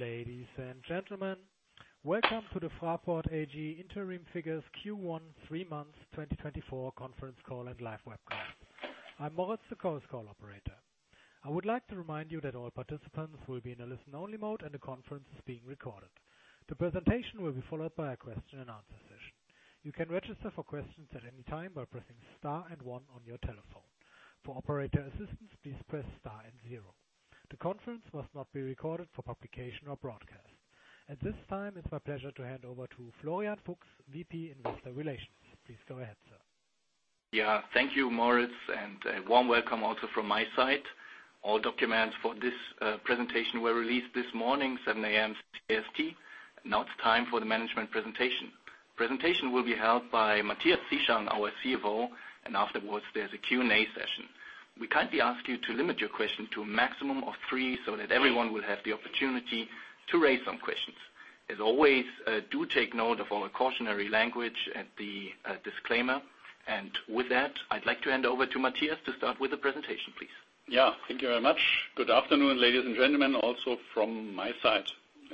Ladies and gentlemen, welcome to the Fraport AG Interim Figures Q1 3 Months 2024 Conference Call and Live Webcast. I'm Moritz, the Chorus Call operator. I would like to remind you that all participants will be in a listen-only mode and the conference is being recorded. The presentation will be followed by a question-and-answer session. You can register for questions at any time by pressing star and one on your telephone. For operator assistance, please press star and zero. The conference must not be recorded for publication or broadcast. At this time, it's my pleasure to hand over to Florian Fuchs, VP Investor Relations. Please go ahead, sir. Yeah, thank you, Moritz, and a warm welcome also from my side. All documents for this presentation were released this morning, 7:00 A.M. CET. Now it's time for the management presentation. The presentation will be held by Matthias Zieschang, our CFO, and afterwards there's a Q&A session. We kindly ask you to limit your question to a maximum of three so that everyone will have the opportunity to raise some questions. As always, do take note of all the cautionary language at the disclaimer. And with that, I'd like to hand over to Matthias to start with the presentation, please. Yeah, thank you very much. Good afternoon, ladies and gentlemen, also from my side.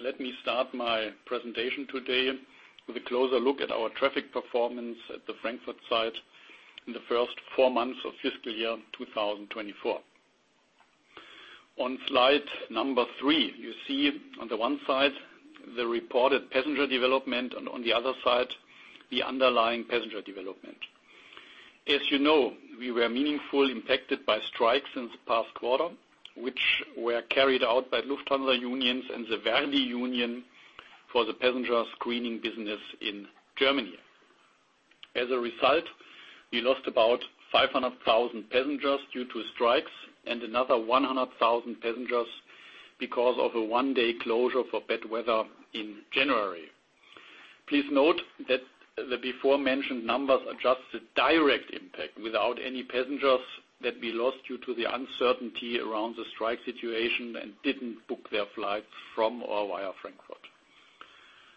Let me start my presentation today with a closer look at our traffic performance at the Frankfurt site in the first 4 months of fiscal year 2024. On slide number 3, you see on the one side the reported passenger development and on the other side the underlying passenger development. As you know, we were meaningfully impacted by strikes in the past quarter, which were carried out by Lufthansa unions and the ver.di union for the passenger screening business in Germany. As a result, we lost about 500,000 passengers due to strikes and another 100,000 passengers because of a 1-day closure for bad weather in January. Please note that the before-mentioned numbers adjust the direct impact without any passengers that we lost due to the uncertainty around the strike situation and didn't book their flights from or via Frankfurt.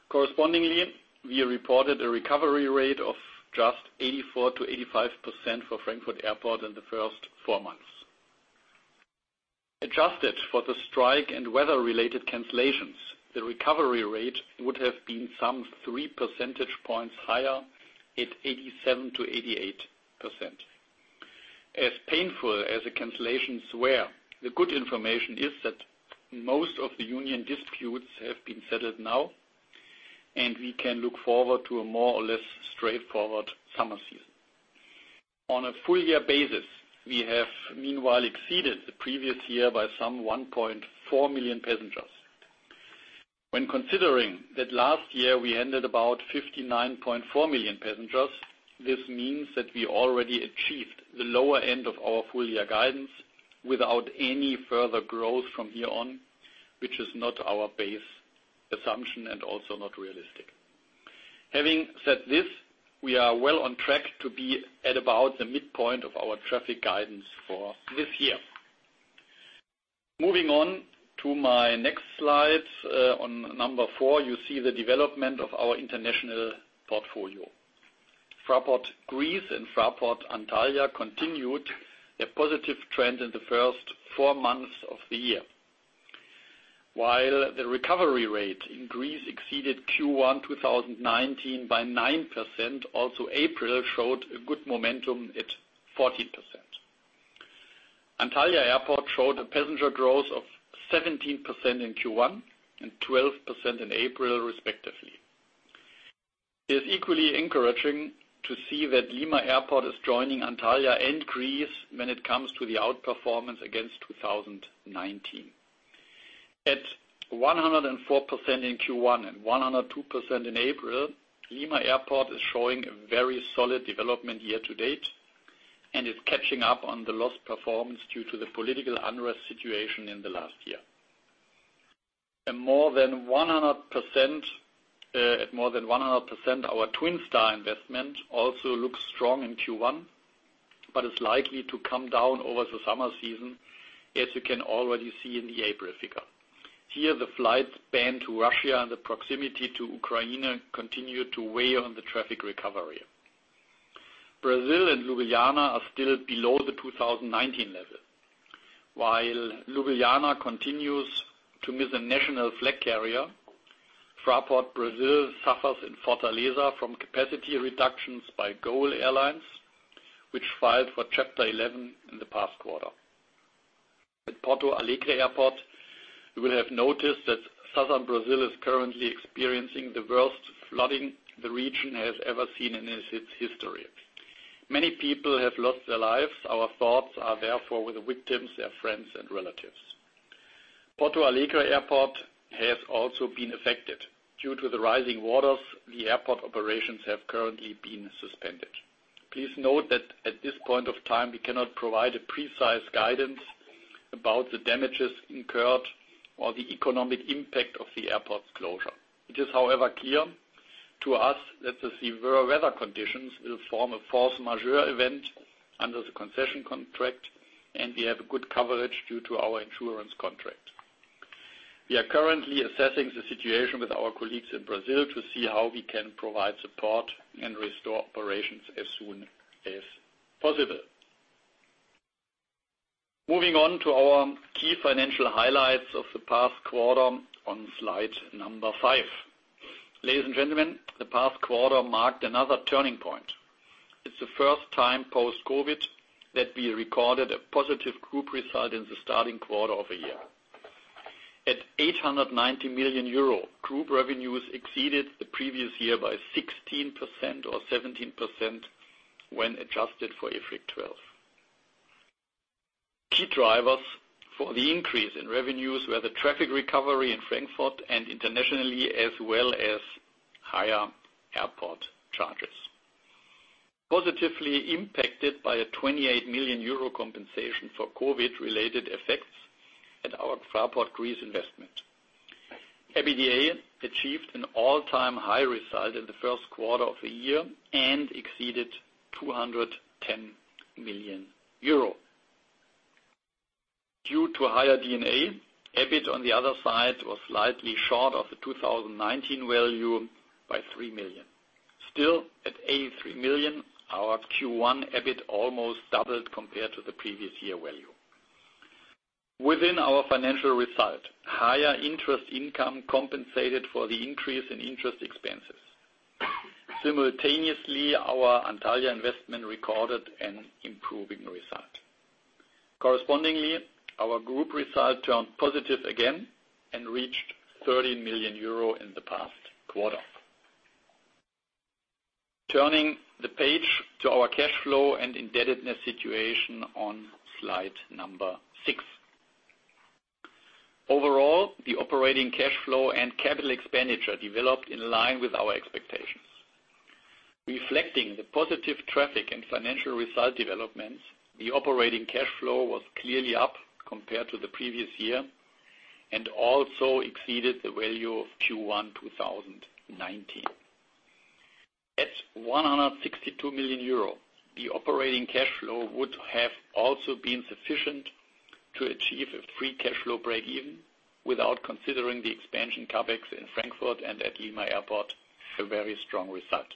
Correspondingly, we reported a recovery rate of just 84%-85% for Frankfurt Airport in the first four months. Adjusted for the strike and weather-related cancellations, the recovery rate would have been some three percentage points higher at 87%-88%. As painful as the cancellations were, the good information is that most of the union disputes have been settled now, and we can look forward to a more or less straightforward summer season. On a full-year basis, we have meanwhile exceeded the previous year by some 1.4 million passengers. When considering that last year we handled about 59.4 million passengers, this means that we already achieved the lower end of our full-year guidance without any further growth from here on, which is not our base assumption and also not realistic. Having said this, we are well on track to be at about the midpoint of our traffic guidance for this year. Moving on to my next slide, on number four, you see the development of our international portfolio. Fraport Greece and Fraport Antalya continued a positive trend in the first four months of the year. While the recovery rate in Greece exceeded Q1 2019 by 9%, also April showed a good momentum at 14%. Antalya Airport showed a passenger growth of 17% in Q1 and 12% in April, respectively. It's equally encouraging to see that Lima Airport is joining Antalya and Greece when it comes to the outperformance against 2019. At 104% in Q1 and 102% in April, Lima Airport is showing a very solid development year to date, and it's catching up on the lost performance due to the political unrest situation in the last year. A more than 100%, at more than 100%, our Twin Star investment also looks strong in Q1 but is likely to come down over the summer season, as you can already see in the April figure. Here, the flights banned to Russia and the proximity to Ukraine continue to weigh on the traffic recovery. Brazil and Ljubljana are still below the 2019 level. While Ljubljana continues to miss a national flag carrier, Fraport Brasil suffers in Fortaleza from capacity reductions by GOL Airlines, which filed for Chapter 11 in the past quarter. At Porto Alegre Airport, you will have noticed that southern Brazil is currently experiencing the worst flooding the region has ever seen in its history. Many people have lost their lives. Our thoughts are therefore with the victims, their friends, and relatives. Porto Alegre Airport has also been affected. Due to the rising waters, the airport operations have currently been suspended. Please note that at this point of time, we cannot provide a precise guidance about the damages incurred or the economic impact of the airport's closure. It is, however, clear to us that the severe weather conditions will form a Force Majeure event under the concession contract, and we have good coverage due to our insurance contract. We are currently assessing the situation with our colleagues in Brazil to see how we can provide support and restore operations as soon as possible. Moving on to our key financial highlights of the past quarter on slide number 5. Ladies and gentlemen, the past quarter marked another turning point. It's the first time post-COVID that we recorded a positive group result in the starting quarter of a year. At 890 million euro, group revenues exceeded the previous year by 16% or 17% when adjusted for IFRIC 12. Key drivers for the increase in revenues were the traffic recovery in Frankfurt and internationally, as well as higher airport charges. Positively impacted by a 28 million euro compensation for COVID-related effects at our Fraport Greece investment, EBITDA achieved an all-time high result in the first quarter of a year and exceeded 210 million euro. Due to higher EBITDA, EBIT on the other side was slightly short of the 2019 value by 3 million. Still at 83 million, our Q1 EBIT almost doubled compared to the previous year value. Within our financial result, higher interest income compensated for the increase in interest expenses. Simultaneously, our Antalya investment recorded an improving result. Correspondingly, our group result turned positive again and reached 30 million euro in the past quarter. Turning the page to our cash flow and indebtedness situation on slide 6. Overall, the operating cash flow and capital expenditure developed in line with our expectations. Reflecting the positive traffic and financial result developments, the operating cash flow was clearly up compared to the previous year and also exceeded the value of Q1 2019. At 162 million euro, the operating cash flow would have also been sufficient to achieve a free cash flow break-even without considering the expansion CapEx in Frankfurt and at Lima Airport, a very strong result.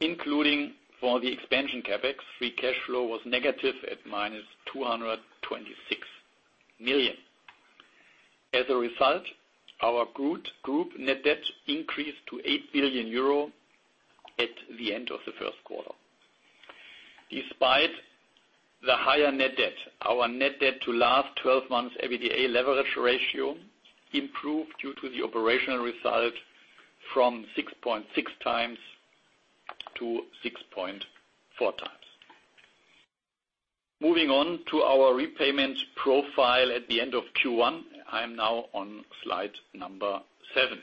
Including the expansion CapEx, free cash flow was negative at -226 million. As a result, our group net debt increased to 8 billion euro at the end of the first quarter. Despite the higher net debt, our net debt-to-last 12 months EBITDA leverage ratio improved due to the operational result from 6.6x to 6.4x. Moving on to our repayment profile at the end of Q1, I'm now on slide number 7.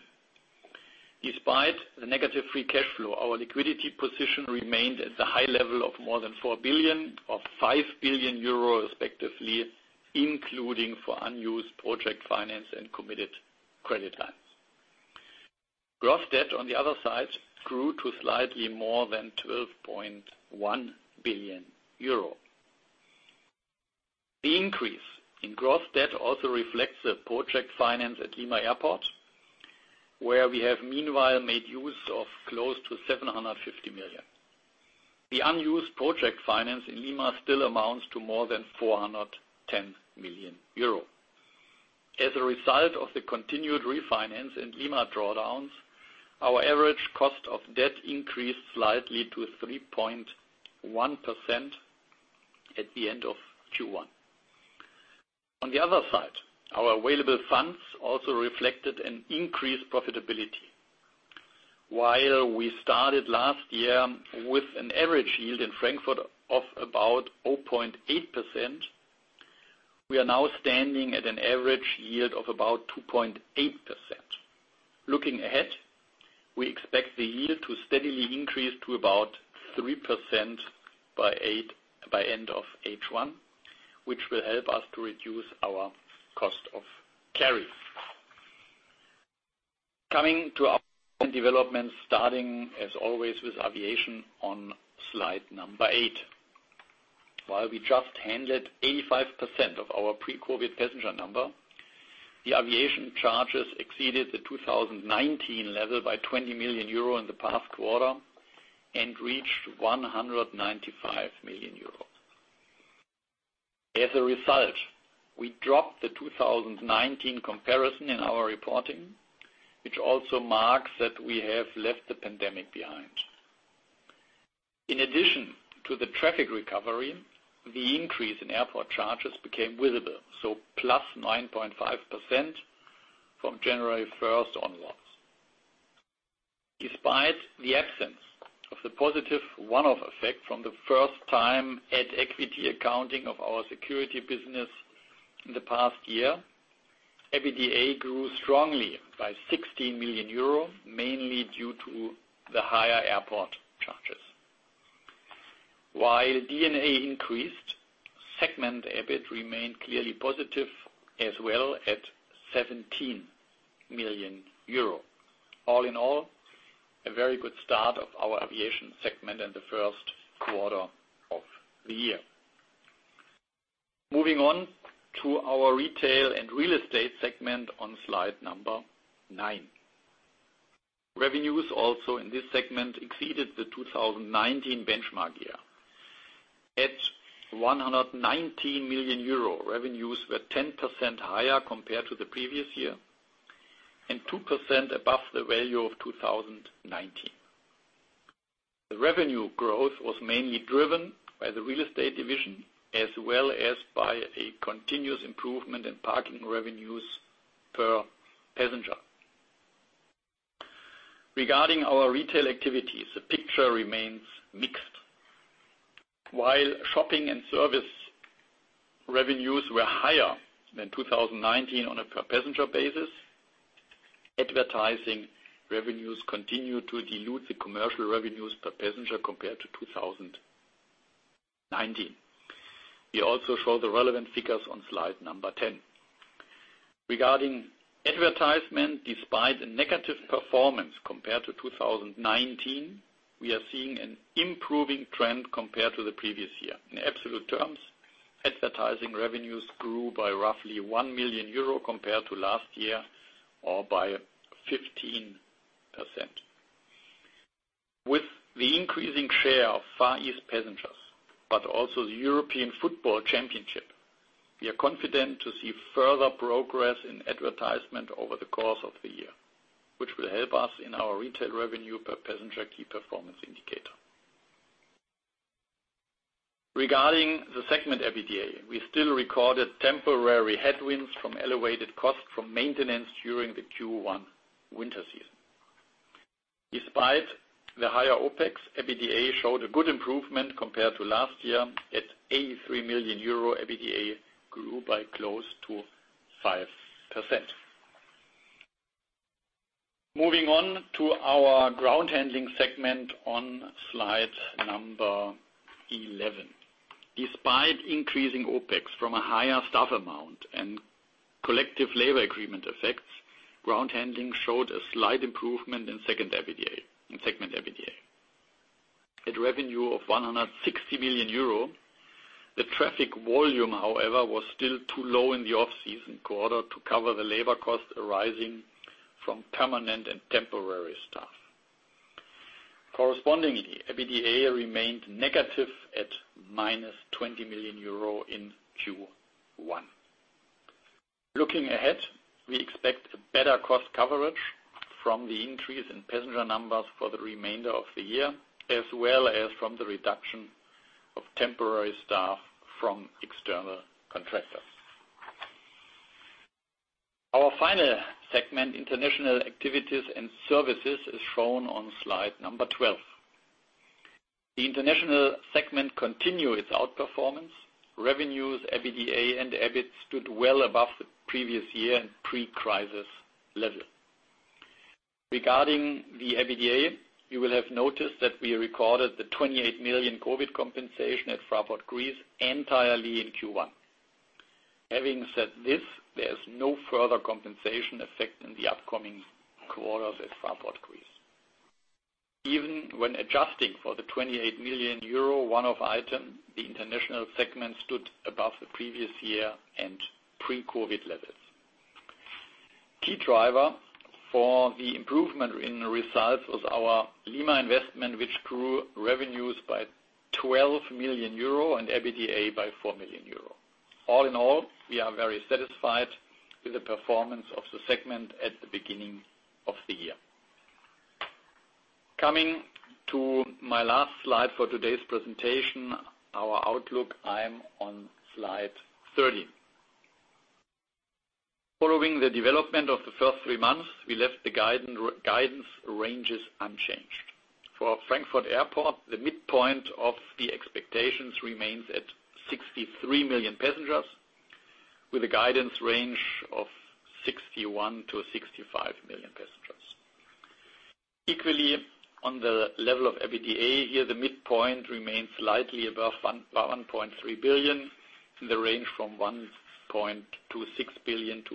Despite the negative free cash flow, our liquidity position remained at the high level of more than 4 billion, of 5 billion euro, respectively, including unused project finance and committed credit lines. Gross debt, on the other side, grew to slightly more than 12.1 billion euro. The increase in gross debt also reflects the project finance at Lima Airport, where we have meanwhile made use of close to 750 million. The unused project finance in Lima still amounts to more than 410 million euro. As a result of the continued refinance and Lima drawdowns, our average cost of debt increased slightly to 3.1% at the end of Q1. On the other side, our available funds also reflected an increased profitability. While we started last year with an average yield in Frankfurt of about 0.8%, we are now standing at an average yield of about 2.8%. Looking ahead, we expect the yield to steadily increase to about 3% by 8 by end of H1, which will help us to reduce our cost of carry. Coming to our developments, starting, as always, with aviation on slide 8. While we just handled 85% of our pre-COVID passenger number, the aviation charges exceeded the 2019 level by 20 million euro in the past quarter and reached 195 million euro. As a result, we dropped the 2019 comparison in our reporting, which also marks that we have left the pandemic behind. In addition to the traffic recovery, the increase in airport charges became visible, so +9.5% from January 1st onward. Despite the absence of the positive one-off effect from the first-time at-equity accounting of our security business in the past year, EBITDA grew strongly by 16 million euro, mainly due to the higher airport charges. While D&A increased, segment EBIT remained clearly positive as well at 17 million euro. All in all, a very good start of our aviation segment in the first quarter of the year. Moving on to our retail and real estate segment on slide number 9. Revenues also in this segment exceeded the 2019 benchmark year. At 119 million euro, revenues were 10% higher compared to the previous year and 2% above the value of 2019. The revenue growth was mainly driven by the real estate division as well as by a continuous improvement in parking revenues per passenger. Regarding our retail activities, the picture remains mixed. While shopping and service revenues were higher than 2019 on a per-passenger basis, advertising revenues continued to dilute the commercial revenues per passenger compared to 2019. We also show the relevant figures on slide number 10. Regarding advertisement, despite a negative performance compared to 2019, we are seeing an improving trend compared to the previous year. In absolute terms, advertising revenues grew by roughly 1 million euro compared to last year or by 15%. With the increasing share of Far East passengers but also the European Football Championship, we are confident to see further progress in advertisement over the course of the year, which will help us in our retail revenue per passenger key performance indicator. Regarding the segment EBITDA, we still recorded temporary headwinds from elevated costs from maintenance during the Q1 winter season. Despite the higher OPEX, EBITDA showed a good improvement compared to last year at 83 million euro. EBITDA grew by close to 5%. Moving on to our ground handling segment on slide number 11. Despite increasing OPEX from a higher staff amount and collective labor agreement effects, ground handling showed a slight improvement in second EBITDA in segment EBITDA. At revenue of 160 million euro, the traffic volume, however, was still too low in the off-season quarter to cover the labor costs arising from permanent and temporary staff. Correspondingly, EBITDA remained negative at minus 20 million euro in Q1. Looking ahead, we expect better cost coverage from the increase in passenger numbers for the remainder of the year as well as from the reduction of temporary staff from external contractors. Our final segment, international activities and services, is shown on slide 12. The international segment continued its outperformance. Revenues, EBITDA, and EBIT stood well above the previous year and pre-crisis level. Regarding the EBITDA, you will have noticed that we recorded the 28 million COVID compensation at Fraport Greece entirely in Q1. Having said this, there is no further compensation effect in the upcoming quarters at Fraport Greece. Even when adjusting for the 28 million euro one-off item, the international segment stood above the previous year and pre-COVID levels. Key driver for the improvement in results was our Lima investment, which grew revenues by 12 million euro and EBITDA by 4 million euro. All in all, we are very satisfied with the performance of the segment at the beginning of the year. Coming to my last slide for today's presentation, our outlook, I'm on slide 30. Following the development of the first three months, we left the guidance ranges unchanged. For Frankfurt Airport, the midpoint of the expectations remains at 63 million passengers with a guidance range of 61-65 million passengers. Equally, on the level of EBITDA here, the midpoint remains slightly above 1.3 billion in the range from 1.26 billion-1.36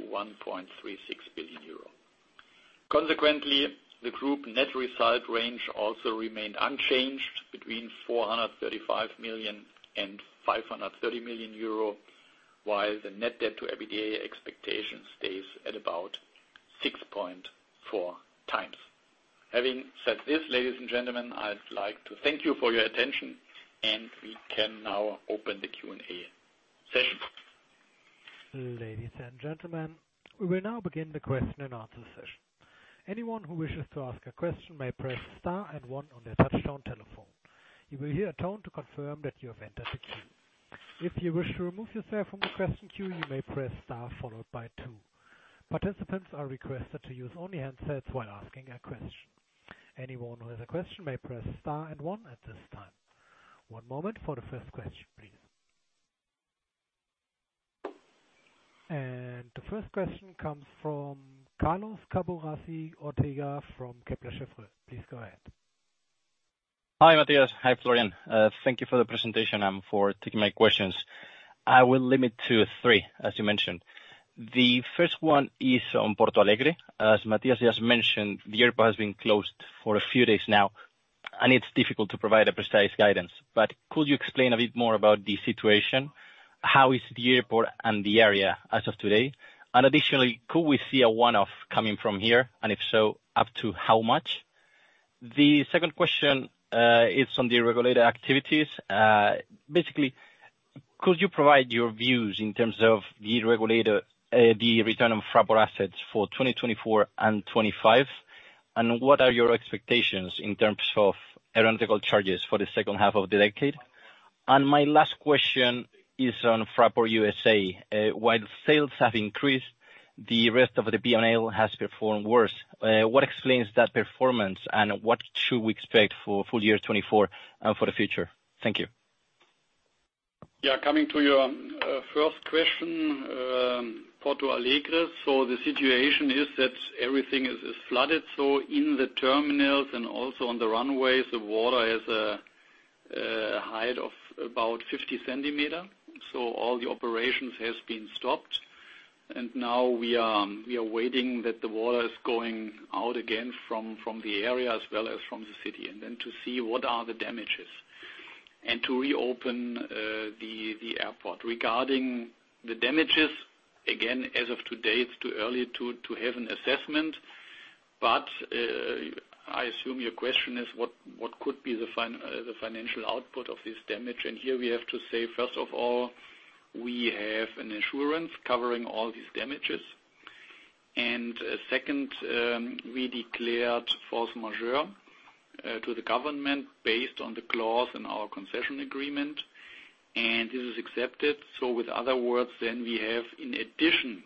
billion euro. Consequently, the group net result range also remained unchanged between 435 million and 530 million euro, while the net debt-to-EBITDA expectation stays at about 6.4 times. Having said this, ladies and gentlemen, I'd like to thank you for your attention, and we can now open the Q&A session. Ladies and gentlemen, we will now begin the question and answer session. Anyone who wishes to ask a question may press star and one on their touch-tone telephone. You will hear a tone to confirm that you have entered the queue. If you wish to remove yourself from the question queue, you may press star followed by two. Participants are requested to use only handsets while asking a question. Anyone who has a question may press star and one at this time. One moment for the first question, please. The first question comes from Carlos Caburassi Ortega from Kepler Cheuvreux. Please go ahead. Hi, Matthias. Hi, Florian. Thank you for the presentation and for taking my questions. I will limit to three, as you mentioned. The first one is on Porto Alegre. As Matthias just mentioned, the airport has been closed for a few days now, and it's difficult to provide a precise guidance. But could you explain a bit more about the situation? How is the airport and the area as of today? And additionally, could we see a one-off coming from here, and if so, up to how much? The second question is on the regulated activities. Basically, could you provide your views in terms of the regulator, the return on Fraport assets for 2024 and 2025, and what are your expectations in terms of aeronautical charges for the second half of the decade? And my last question is on Fraport USA. While sales have increased, the rest of the P&L has performed worse. What explains that performance, and what should we expect for full year 2024 and for the future? Thank you. Yeah, coming to your first question, Porto Alegre. So the situation is that everything is flooded. So in the terminals and also on the runways, the water has a height of about 50 centimeters. So all the operations have been stopped. And now we are waiting that the water is going out again from the area as well as from the city and then to see what are the damages and to reopen the airport. Regarding the damages, again, as of today, it's too early to have an assessment. But I assume your question is, what could be the financial output of this damage? Here we have to say, first of all, we have an insurance covering all these damages. Second, we declared force majeure to the government based on the clause in our concession agreement, and this is accepted. In other words, then we have, in addition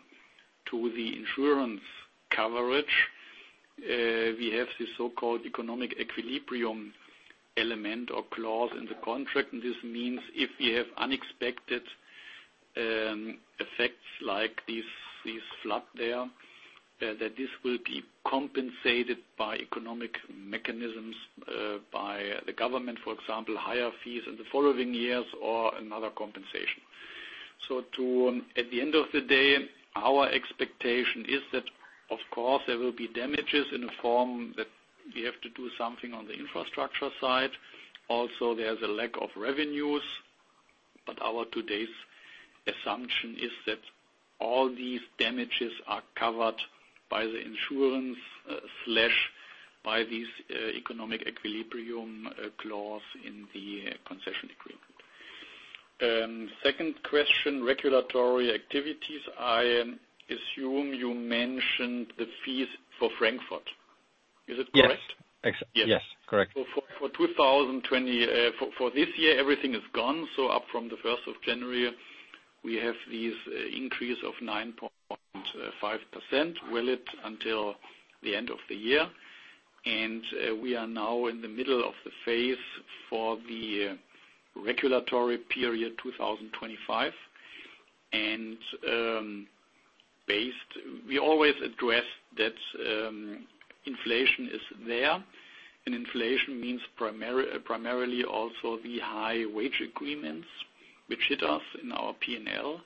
to the insurance coverage, we have this so-called economic equilibrium element or clause in the contract. This means if we have unexpected effects like this flood there, that this will be compensated by economic mechanisms by the government, for example, higher fees in the following years or another compensation. At the end of the day, our expectation is that, of course, there will be damages in a form that we have to do something on the infrastructure side. Also, there's a lack of revenues, but our today's assumption is that all these damages are covered by the insurance/by this economic equilibrium clause in the concession agreement. Second question, regulatory activities. I assume you mentioned the fees for Frankfurt. Is it correct? Yes. Yes, correct. For this year, everything is gone. So up from the 1st of January, we have this increase of 9.5%. Will it until the end of the year? We are now in the middle of the phase for the regulatory period 2025. We always address that inflation is there. Inflation means primarily also the high wage agreements, which hit us in our P&L.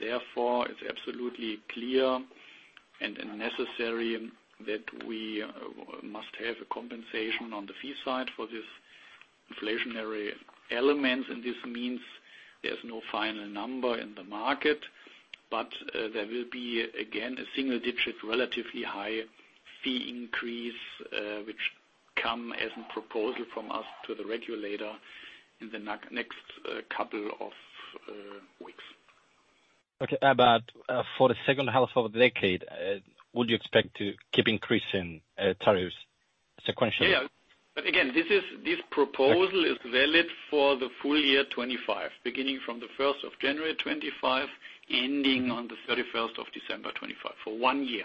Therefore, it's absolutely clear and necessary that we must have a compensation on the fee side for these inflationary elements. And this means there's no final number in the market, but there will be, again, a single-digit, relatively high fee increase, which come as a proposal from us to the regulator in the next couple of weeks. Okay. About for the second half of the decade, would you expect to keep increasing tariffs sequentially? Yeah. But again, this proposal is valid for the full year 2025, beginning from the 1st of January 2025, ending on the 31st of December 2025 for one year.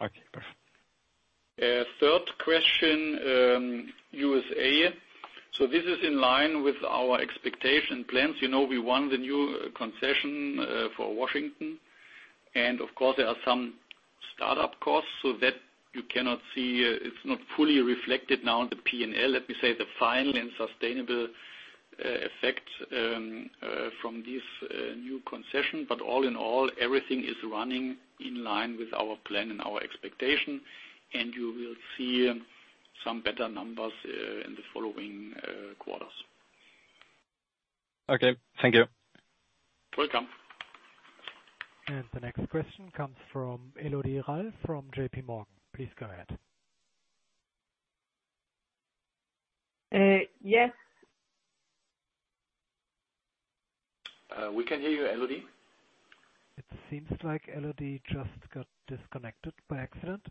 Okay. Perfect. Third question, USA. So this is in line with our expectation plans. We won the new concession for Washington. And of course, there are some startup costs so that you cannot see it's not fully reflected now in the P&L. Let me say the final and sustainable effect from this new concession. But all in all, everything is running in line with our plan and our expectation, and you will see some better numbers in the following quarters. Okay. Thank you. Welcome. And the next question comes from Élodie Rall from J.P. Morgan. Please go ahead. Yes. We can hear you, Élodie. It seems like Élodie just got disconnected by accident.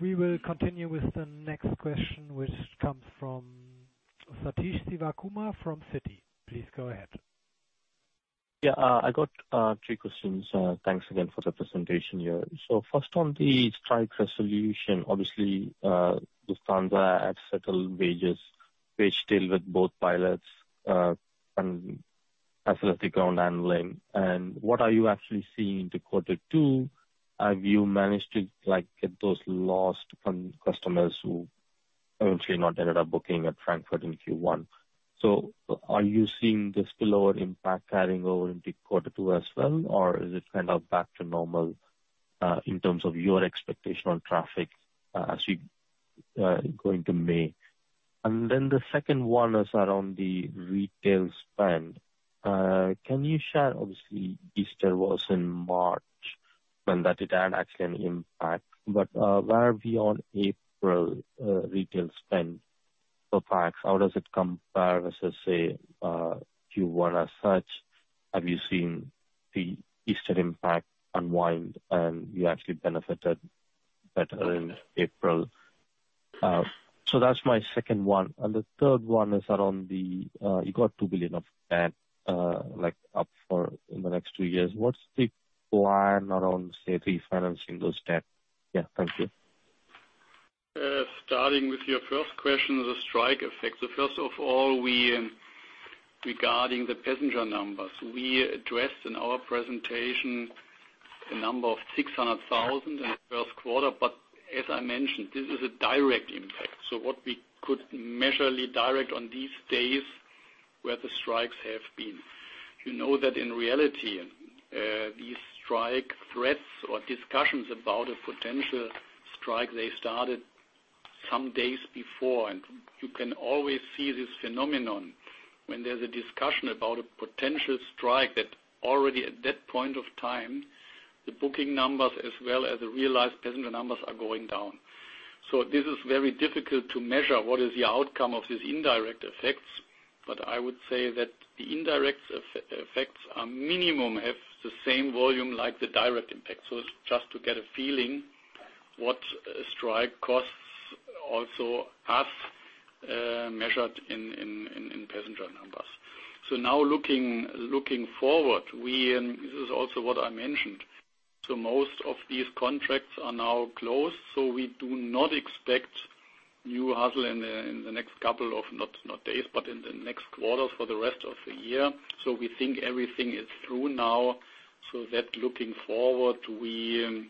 We will continue with the next question, which comes from Sathish Sivakumar from Citi. Please go ahead. Yeah. I got three questions. Thanks again for the presentation here. So first, on the strike resolution, obviously, Matthias Zieschang had settled wages, wage deal with both pilots as well as the ground handling. And what are you actually seeing into quarter two? Have you managed to get those lost customers who eventually not ended up booking at Frankfurt in Q1? So are you seeing the spillover impact carrying over into quarter two as well, or is it kind of back to normal in terms of your expectation on traffic as we go into May? And then the second one is around the retail spend. Can you share, obviously, Easter was in March when that it had actually an impact. But where are we on April retail spend for PAX? How does it compare vs, say, Q1 as such? Have you seen the Easter impact unwind, and you actually benefited better in April? So that's my second one. And the third one is around the you got 2 billion of debt up for in the next two years. What's the plan around, say, refinancing those debts? Yeah. Thank you. Starting with your first question, the strike effects. So first of all, regarding the passenger numbers, we addressed in our presentation the number of 600,000 in the first quarter. But as I mentioned, this is a direct impact. So what we could measure directly on these days where the strikes have been, you know that in reality, these strike threats or discussions about a potential strike, they started some days before. And you can always see this phenomenon when there's a discussion about a potential strike that already at that point of time, the booking numbers as well as the realized passenger numbers are going down. So this is very difficult to measure what is the outcome of these indirect effects. But I would say that the indirect effects at minimum have the same volume like the direct impact. So it's just to get a feeling what a strike costs us also measured in passenger numbers. Now looking forward, this is also what I mentioned. Most of these contracts are now closed. We do not expect new hassle in the next couple of months, not days, but in the next quarters for the rest of the year. We think everything is through now. So that, looking forward, we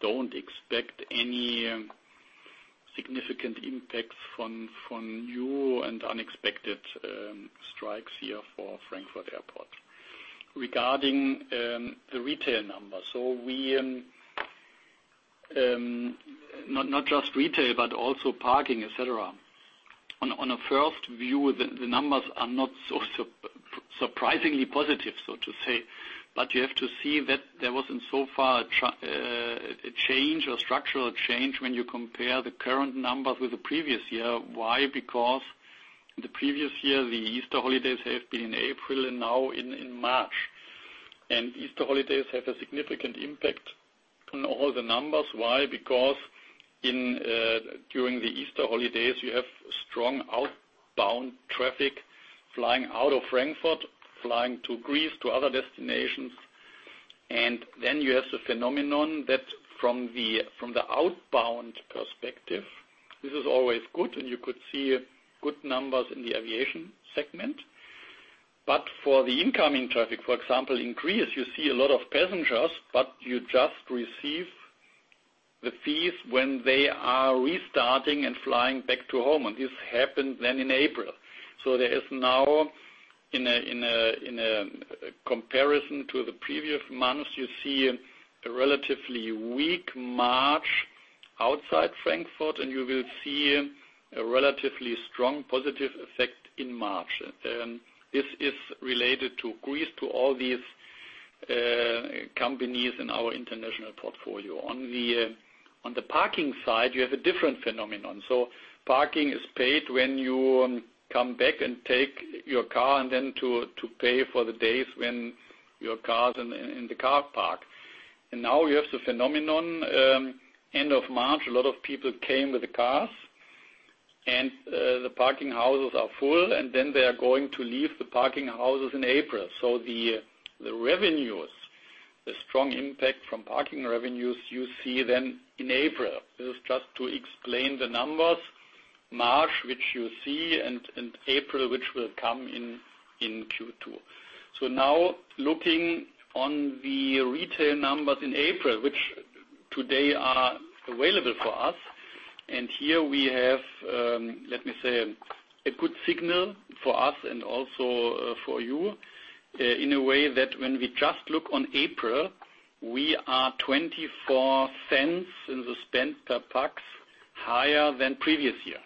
don't expect any significant impacts from new and unexpected strikes here for Frankfurt Airport. Regarding the retail numbers, so not just retail, but also parking, etc. On a first view, the numbers are not so surprisingly positive, so to say. But you have to see that there wasn't so far a change or structural change when you compare the current numbers with the previous year. Why? Because in the previous year, the Easter holidays have been in April and now in March. Easter holidays have a significant impact on all the numbers. Why? Because during the Easter holidays, you have strong outbound traffic flying out of Frankfurt, flying to Greece, to other destinations. And then you have the phenomenon that from the outbound perspective, this is always good, and you could see good numbers in the aviation segment. But for the incoming traffic, for example, in Greece, you see a lot of passengers, but you just receive the fees when they are restarting and flying back to home. And this happened then in April. So there is now in a comparison to the previous months, you see a relatively weak March outside Frankfurt, and you will see a relatively strong positive effect in March. This is related to Greece, to all these companies in our international portfolio. On the parking side, you have a different phenomenon. So parking is paid when you come back and take your car and then to pay for the days when your car's in the car park. Now you have the phenomenon, end of March, a lot of people came with the cars, and the parking houses are full, and then they are going to leave the parking houses in April. The revenues, the strong impact from parking revenues, you see then in April. This is just to explain the numbers, March, which you see, and April, which will come in Q2. Now looking on the retail numbers in April, which today are available for us, and here we have, let me say, a good signal for us and also for you in a way that when we just look on April, we are 0.24 in the spend per PAX higher than previous year.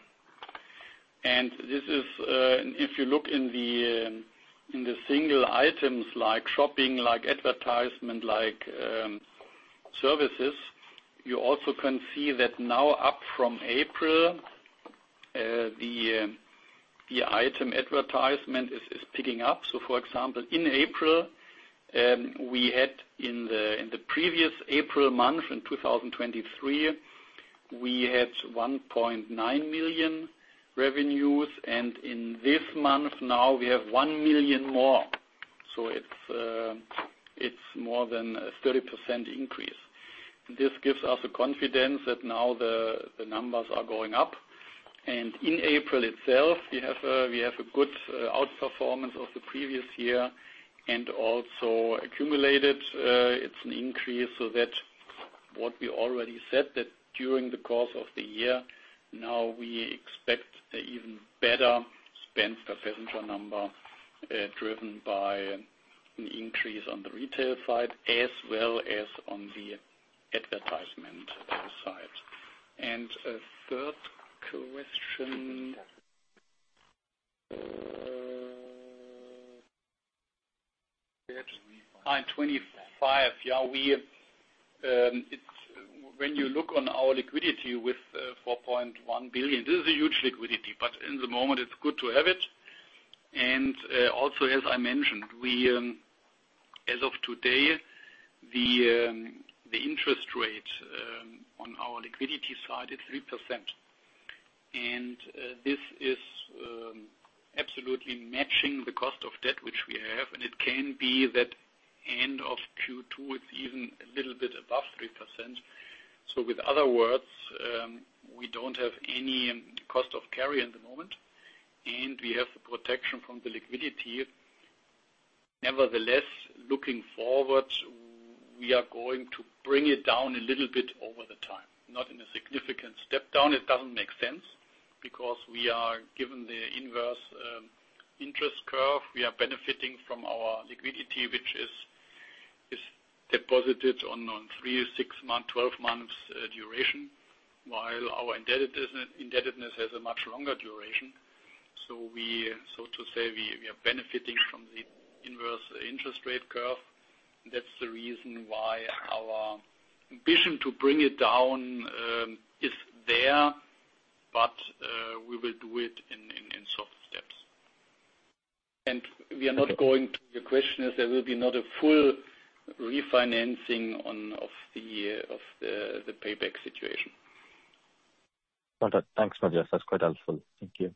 If you look in the single items like shopping, like advertisement, like services, you also can see that now up from April, the item advertisement is picking up. So for example, in April, we had in the previous April month in 2023, we had 1.9 million revenues. And in this month now, we have 1 million more. So it's more than a 30% increase. And this gives us a confidence that now the numbers are going up. And in April itself, we have a good outperformance of the previous year and also accumulated. It's an increase so that what we already said that during the course of the year, now we expect even better spend per passenger number driven by an increase on the retail side as well as on the advertisement side. And third question. 25. 25. Yeah. When you look on our liquidity with 4.1 billion, this is a huge liquidity, but in the moment, it's good to have it. Also, as I mentioned, as of today, the interest rate on our liquidity side, it's 3%. And this is absolutely matching the cost of debt, which we have. And it can be that end of Q2, it's even a little bit above 3%. So with other words, we don't have any cost of carry in the moment, and we have the protection from the liquidity. Nevertheless, looking forward, we are going to bring it down a little bit over the time, not in a significant step down. It doesn't make sense because we are given the inverse interest curve. We are benefiting from our liquidity, which is deposited on 3, 6 months, 12 months duration, while our indebtedness has a much longer duration. So to say, we are benefiting from the inverse interest rate curve. That's the reason why our ambition to bring it down is there, but we will do it in soft steps. And we are not going to. Your question is there will be not a full refinancing of the payback situation. Wonderful. Thanks, Matthias. That's quite helpful. Thank you.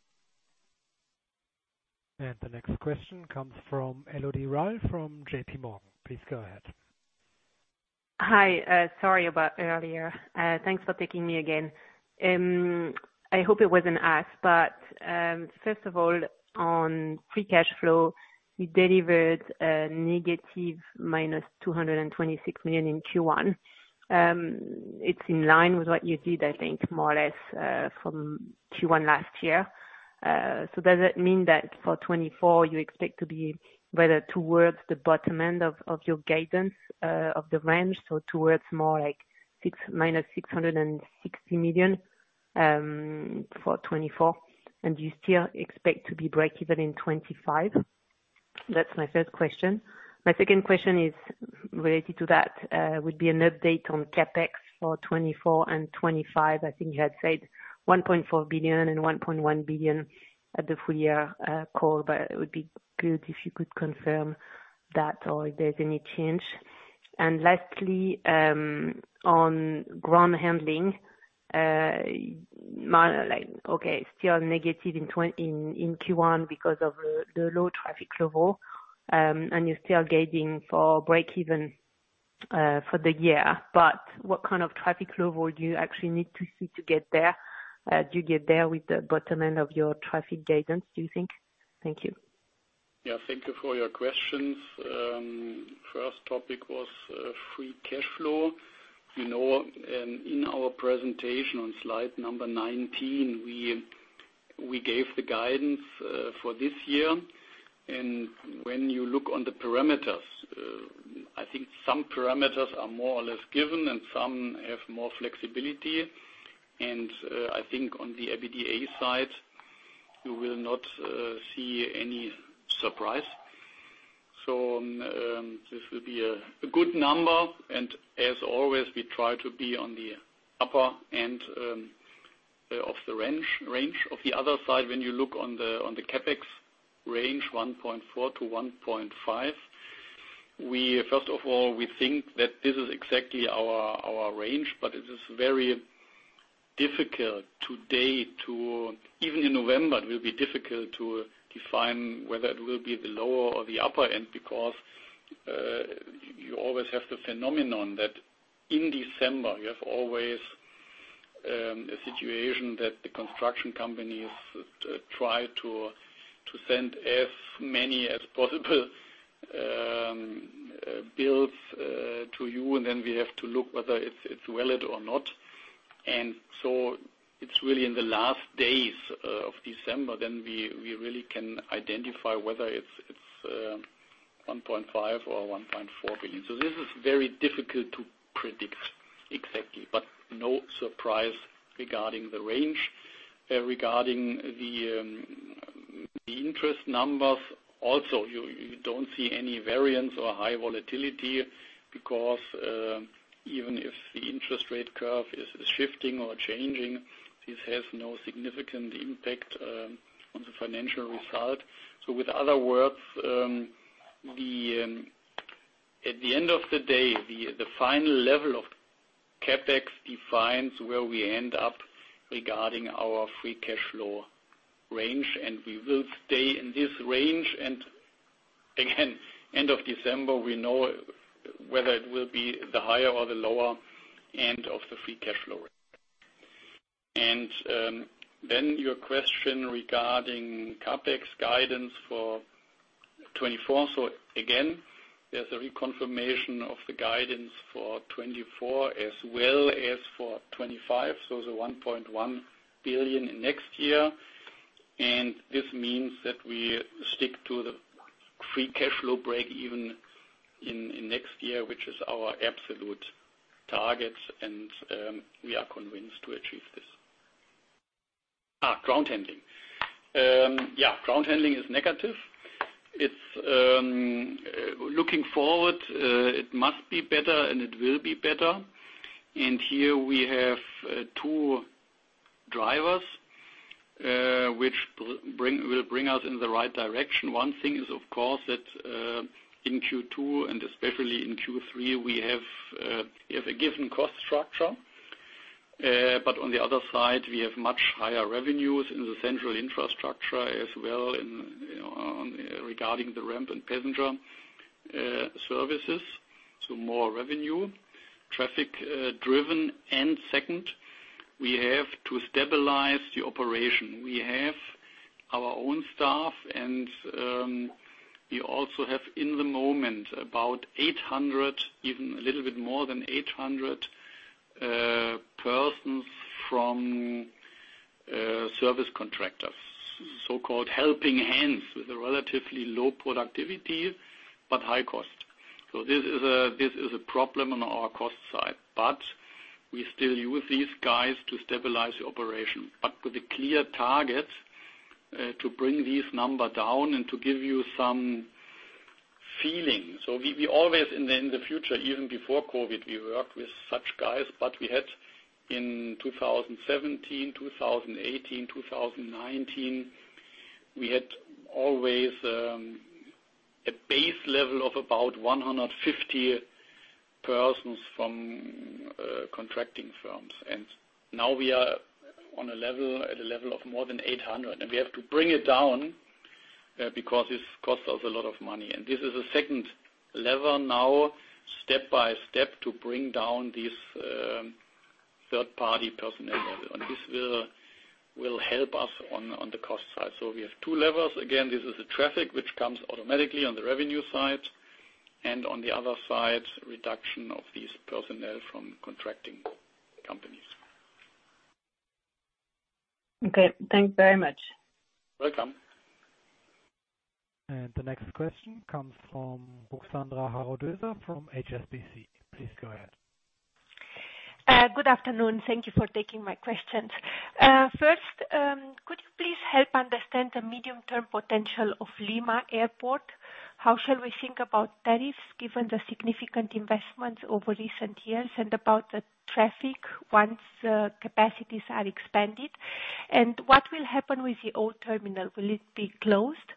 And the next question comes from Elodie Rall from J.P. Morgan. Please go ahead. Hi. Sorry about earlier. Thanks for taking me again. I hope it wasn't asked. But first of all, on free cash flow, we delivered negative minus 226 million in Q1. It's in line with what you did, I think, more or less from Q1 last year. So does it mean that for 2024, you expect to be rather towards the bottom end of your guidance of the range, so towards more like -660 million for 2024, and you still expect to be breakeven in 2025? That's my first question. My second question is related to that. Would be an update on CapEx for 2024 and 2025. I think you had said 1.4 billion and 1.1 billion at the full year call, but it would be good if you could confirm that or if there's any change. Lastly, on ground handling, okay, still negative in Q1 because of the low traffic level, and you're still guiding for breakeven for the year. But what kind of traffic level do you actually need to see to get there? Do you get there with the bottom end of your traffic guidance, do you think? Thank you. Yeah. Thank you for your questions. First topic was free cash flow. In our presentation on slide number 19, we gave the guidance for this year. When you look on the parameters, I think some parameters are more or less given, and some have more flexibility. I think on the EBITDA side, you will not see any surprise. So this will be a good number. As always, we try to be on the upper end of the range. Regarding the other side, when you look on the CapEx range, 1.4 billion-1.5 billion, first of all, we think that this is exactly our range, but it is very difficult today. Even in November, it will be difficult to define whether it will be the lower or the upper end because you always have the phenomenon that in December, you have always a situation that the construction companies try to send as many as possible bills to you, and then we have to look whether it's valid or not. And so it's really in the last days of December, then we really can identify whether it's 1.5 billion or 1.4 billion. So this is very difficult to predict exactly, but no surprise regarding the range. Regarding the interest numbers, also, you don't see any variance or high volatility because even if the interest rate curve is shifting or changing, this has no significant impact on the financial result. So with other words, at the end of the day, the final level of CapEx defines where we end up regarding our free cash flow range, and we will stay in this range. Again, end of December, we know whether it will be the higher or the lower end of the free cash flow range. Then your question regarding CapEx guidance for 2024. So again, there's a reconfirmation of the guidance for 2024 as well as for 2025, so the 1.1 billion next year. And this means that we stick to the free cash flow break even in next year, which is our absolute target, and we are convinced to achieve this. ground handling. Yeah. Ground handling is negative. Looking forward, it must be better, and it will be better. Here we have two drivers which will bring us in the right direction. One thing is, of course, that in Q2 and especially in Q3, we have a given cost structure. But on the other side, we have much higher revenues in the central infrastructure as well regarding the ramp and passenger services, so more revenue, traffic-driven. Second, we have to stabilize the operation. We have our own staff, and we also have in the moment about 800, even a little bit more than 800 persons from service contractors, so-called helping hands with a relatively low productivity but high cost. So this is a problem on our cost side, but we still use these guys to stabilize the operation, but with a clear target to bring these numbers down and to give you some feeling. So we always in the future, even before COVID, we worked with such guys, but we had in 2017, 2018, 2019, we had always a base level of about 150 persons from contracting firms. And now we are at a level of more than 800, and we have to bring it down because this costs us a lot of money. And this is a second lever now, step by step, to bring down this third-party personnel. And this will help us on the cost side. So we have two levers. Again, this is the traffic, which comes automatically on the revenue side. And on the other side, reduction of this personnel from contracting companies. Okay. Thanks very much. Welcome. And the next question comes from Ruxandra Haradau-Döser from HSBC. Please go ahead. Good afternoon. Thank you for taking my questions. First, could you please help understand the medium-term potential of Lima Airport? How shall we think about tariffs given the significant investments over recent years and about the traffic once capacities are expanded? And what will happen with the old terminal? Will it be closed?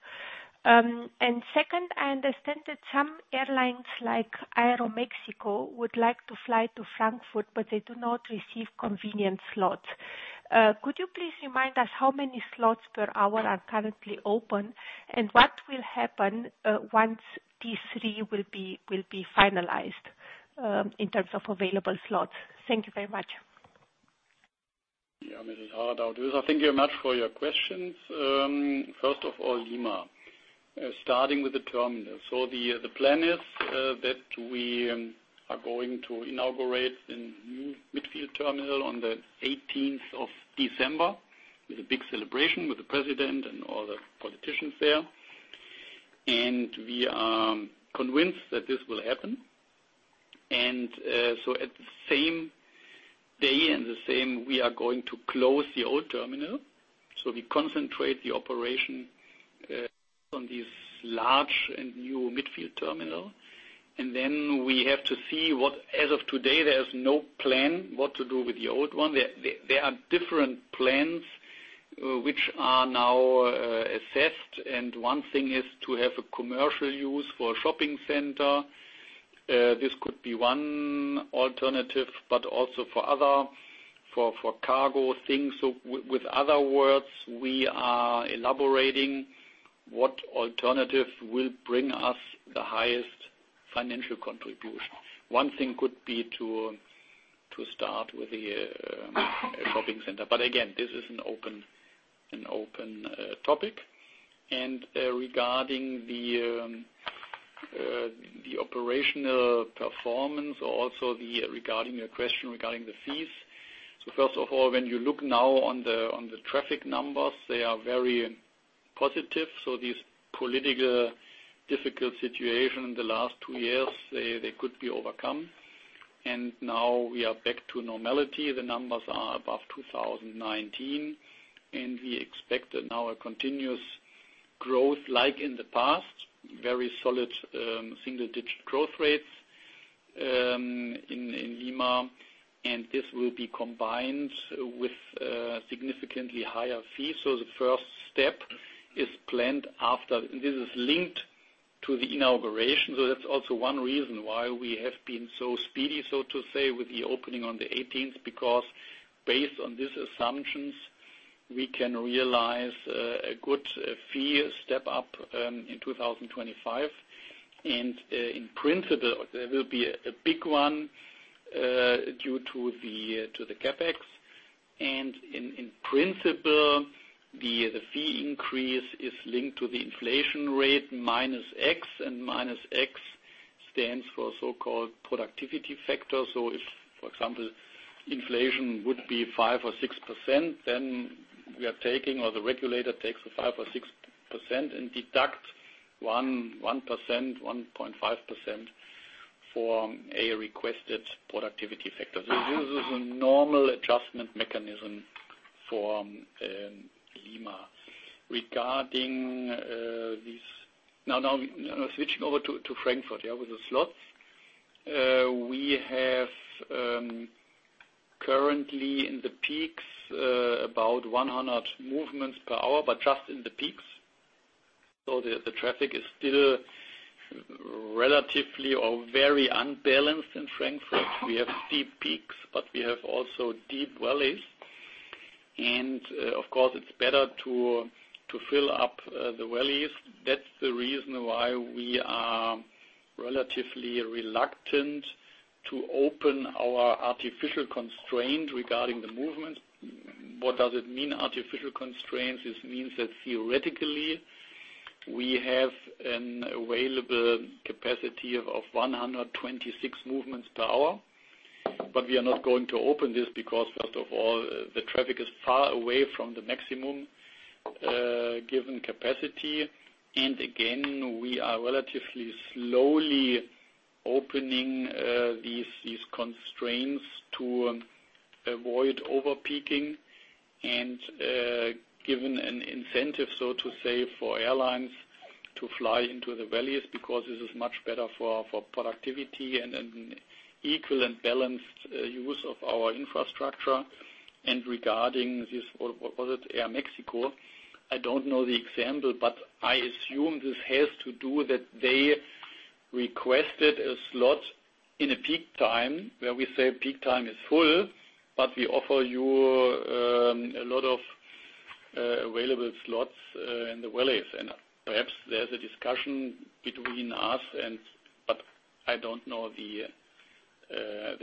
And second, I understand that some airlines like Aeroméxico would like to fly to Frankfurt, but they do not receive convenient slots. Could you please remind us how many slots per hour are currently open, and what will happen once T3 will be finalized in terms of available slots? Thank you very much. Yeah. Mrs. Haradau-Döser, thank you very much for your questions. First of all, Lima, starting with the terminal. So the plan is that we are going to inaugurate the new midfield terminal on the 18th of December with a big celebration with the president and all the politicians there. We are convinced that this will happen. So at the same day, we are going to close the old terminal. So we concentrate the operation on this large and new midfield terminal. Then we have to see what, as of today, there is no plan what to do with the old one. There are different plans which are now assessed. One thing is to have a commercial use for a shopping center. This could be one alternative, but also for other, for cargo things. So in other words, we are elaborating what alternative will bring us the highest financial contribution. One thing could be to start with a shopping center. But again, this is an open topic. And regarding the operational performance, also regarding your question regarding the fees. So first of all, when you look now on the traffic numbers, they are very positive. So this political difficult situation in the last two years, they could be overcome. And now we are back to normality. The numbers are above 2019, and we expect now a continuous growth like in the past, very solid single-digit growth rates in Lima. And this will be combined with significantly higher fees. So the first step is planned after this is linked to the inauguration. So that's also one reason why we have been so speedy, so to say, with the opening on the 18th because based on these assumptions, we can realize a good fee step up in 2025. And in principle, there will be a big one due to the CapEx. In principle, the fee increase is linked to the inflation rate minus X, and minus X stands for so-called productivity factor. So if, for example, inflation would be 5% or 6%, then we are taking or the regulator takes a 5% or 6% and deducts 1%, 1.5% for a requested productivity factor. So this is a normal adjustment mechanism for Lima. Regarding these now switching over to Frankfurt, yeah, with the slots, we have currently in the peaks about 100 movements per hour, but just in the peaks. So the traffic is still relatively or very unbalanced in Frankfurt. We have steep peaks, but we have also deep valleys. Of course, it's better to fill up the valleys. That's the reason why we are relatively reluctant to open our artificial constraint regarding the movements. What does it mean, artificial constraints? This means that theoretically, we have an available capacity of 126 movements per hour, but we are not going to open this because, first of all, the traffic is far away from the maximum given capacity. And again, we are relatively slowly opening these constraints to avoid overpeaking and given an incentive, so to say, for airlines to fly into the valleys because this is much better for productivity and an equal and balanced use of our infrastructure. And regarding this, what was it? Aeroméxico. I don't know the example, but I assume this has to do that they requested a slot in a peak time where we say peak time is full, but we offer you a lot of available slots in the valleys. And perhaps there's a discussion between us, but I don't know the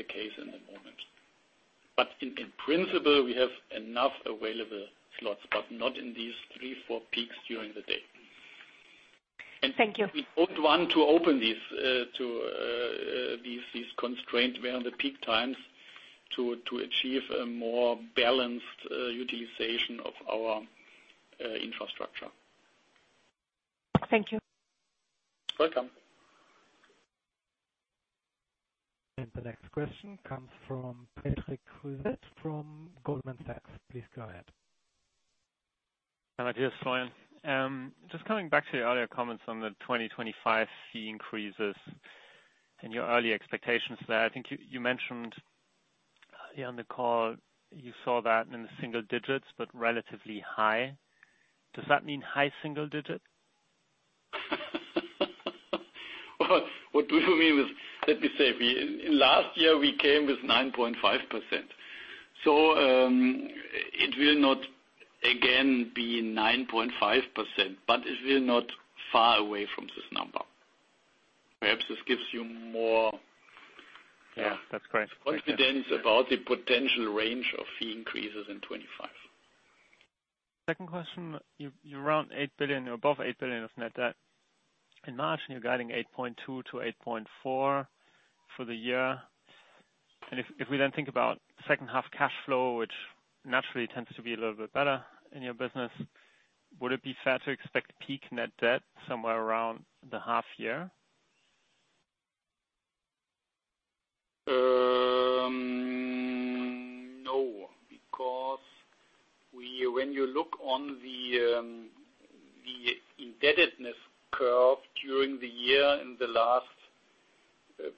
case in the moment. But in principle, we have enough available slots, but not in these 3, 4 peaks during the day. And we don't want to open these constraints during the peak times to achieve a more balanced utilization of our infrastructure. Thank you. Welcome. And the next question comes from Patrick Creuset from Goldman Sachs. Please go ahead. Hi, Matthias. Sorry. Just coming back to your earlier comments on the 2025 fee increases and your early expectations there. I think you mentioned here on the call, you saw that in the single digits, but relatively high. Does that mean high single digit? Well, what do you mean with let me say, last year, we came with 9.5%. So it will not, again, be 9.5%, but it will not far away from this number. Perhaps this gives you more confidence about the potential range of fee increases in 2025. Second question, you're around 8 billion, above 8 billion of net debt in March, and you're guiding 8.2 billion-8.4 billion for the year. If we then think about second-half cash flow, which naturally tends to be a little bit better in your business, would it be fair to expect peak net debt somewhere around the half-year? No, because when you look on the indebtedness curve during the year in the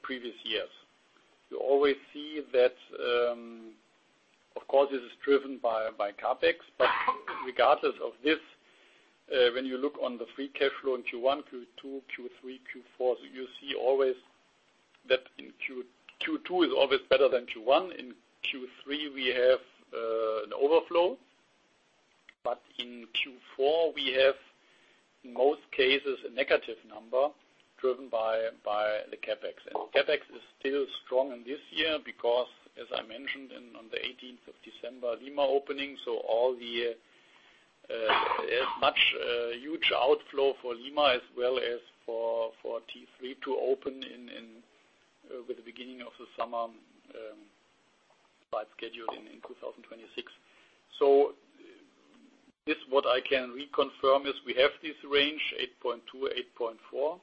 previous years, you always see that of course, this is driven by CapEx. But regardless of this, when you look on the free cash flow in Q1, Q2, Q3, Q4, you see always that in Q2 is always better than Q1. In Q3, we have an overflow, but in Q4, we have, in most cases, a negative number driven by the CapEx. CapEx is still strong this year because, as I mentioned on the 18th of December, Lima opening. So there's much huge outflow for Lima as well as for T3 to open with the beginning of the summer by schedule in 2026. So what I can reconfirm is we have this range, 8.2-8.4.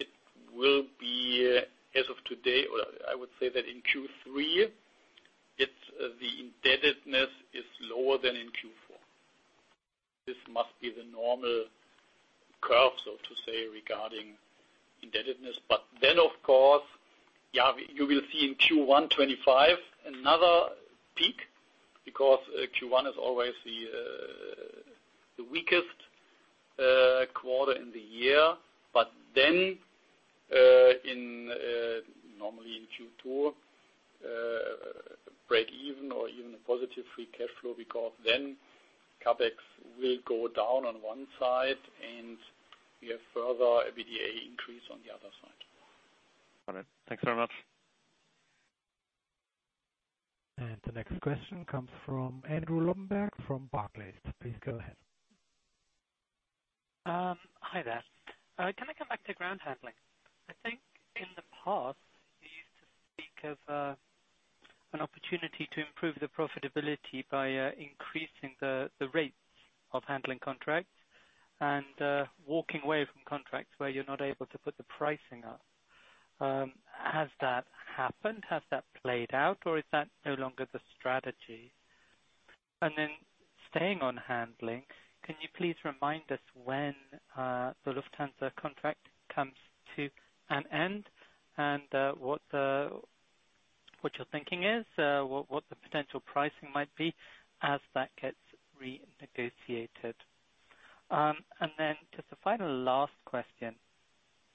It will be as of today, or I would say that in Q3, the indebtedness is lower than in Q4. This must be the normal curve, so to say, regarding indebtedness. But then, of course, yeah, you will see in Q1 2025 another peak because Q1 is always the weakest quarter in the year. But then normally in Q2, break even or even a positive free cash flow because then CapEx will go down on one side, and we have further EBITDA increase on the other side. Got it. Thanks very much. The next question comes from Andrew Lobbenberg from Barclays. Please go ahead. Hi there. Can I come back to ground handling? I think in the past, you used to speak of an opportunity to improve the profitability by increasing the rates of handling contracts and walking away from contracts where you're not able to put the pricing up. Has that happened? Has that played out, or is that no longer the strategy? Then staying on handling, can you please remind us when the Lufthansa contract comes to an end and what your thinking is, what the potential pricing might be as that gets renegotiated? Then just the final last question,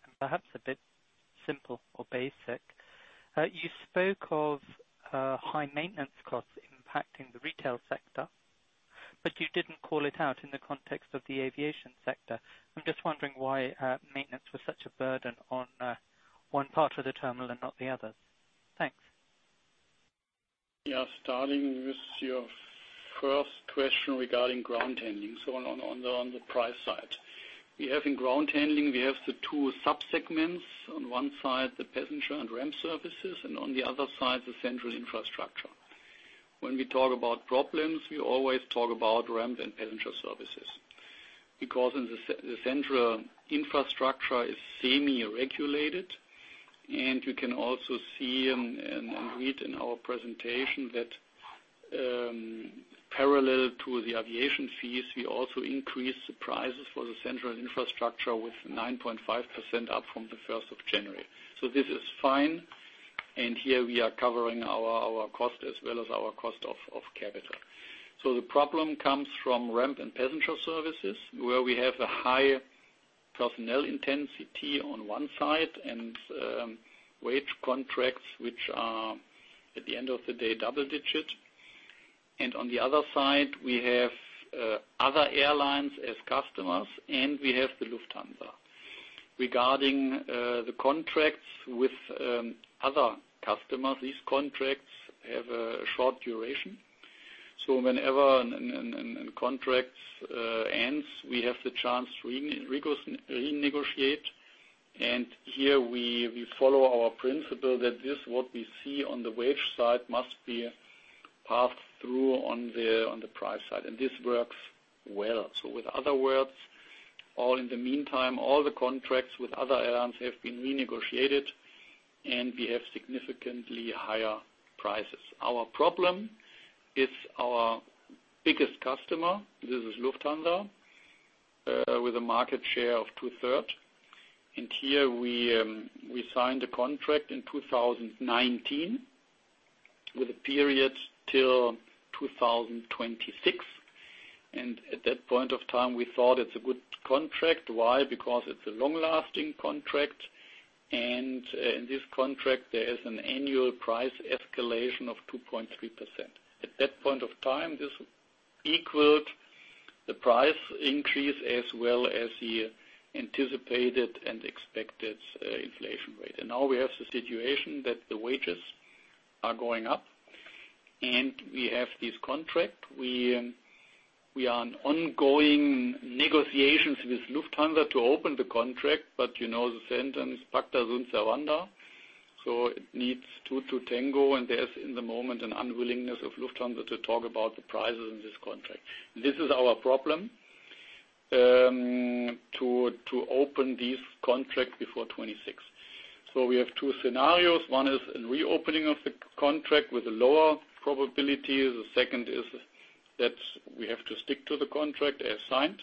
and perhaps a bit simple or basic, you spoke of high maintenance costs impacting the retail sector, but you didn't call it out in the context of the aviation sector. I'm just wondering why maintenance was such a burden on one part of the terminal and not the others. Thanks. Yeah. Starting with your first question regarding ground handling, so on the price side, in ground handling, we have the two subsegments. On one side, the passenger and ramp services, and on the other side, the central infrastructure. When we talk about problems, we always talk about ramp and passenger services because the central infrastructure is semi-regulated. You can also see and read in our presentation that parallel to the aviation fees, we also increase the prices for the central infrastructure with 9.5% up from the 1st of January. So this is fine. Here we are covering our cost as well as our cost of capital. So the problem comes from ramp and passenger services where we have a high personnel intensity on one side and wage contracts which are, at the end of the day, double-digit. And on the other side, we have other airlines as customers, and we have the Lufthansa. Regarding the contracts with other customers, these contracts have a short duration. So whenever a contract ends, we have the chance to renegotiate. And here we follow our principle that what we see on the wage side must be passed through on the price side. And this works well. So in other words, in the meantime, all the contracts with other airlines have been renegotiated, and we have significantly higher prices. Our problem is our biggest customer. This is Lufthansa with a market share of two-thirds. And here we signed a contract in 2019 with a period till 2026. At that point of time, we thought it's a good contract. Why? Because it's a long-lasting contract. In this contract, there is an annual price escalation of 2.3%. At that point of time, this equaled the price increase as well as the anticipated and expected inflation rate. Now we have the situation that the wages are going up, and we have these contracts. We are in ongoing negotiations with Lufthansa to open the contract, but you know the sentence, "Pacta sunt servanda." It needs two to tango, and there is, in the moment, an unwillingness of Lufthansa to talk about the prices in this contract. This is our problem, to open these contracts before 2026. We have two scenarios. One is a reopening of the contract with a lower probability. The second is that we have to stick to the contract as signed.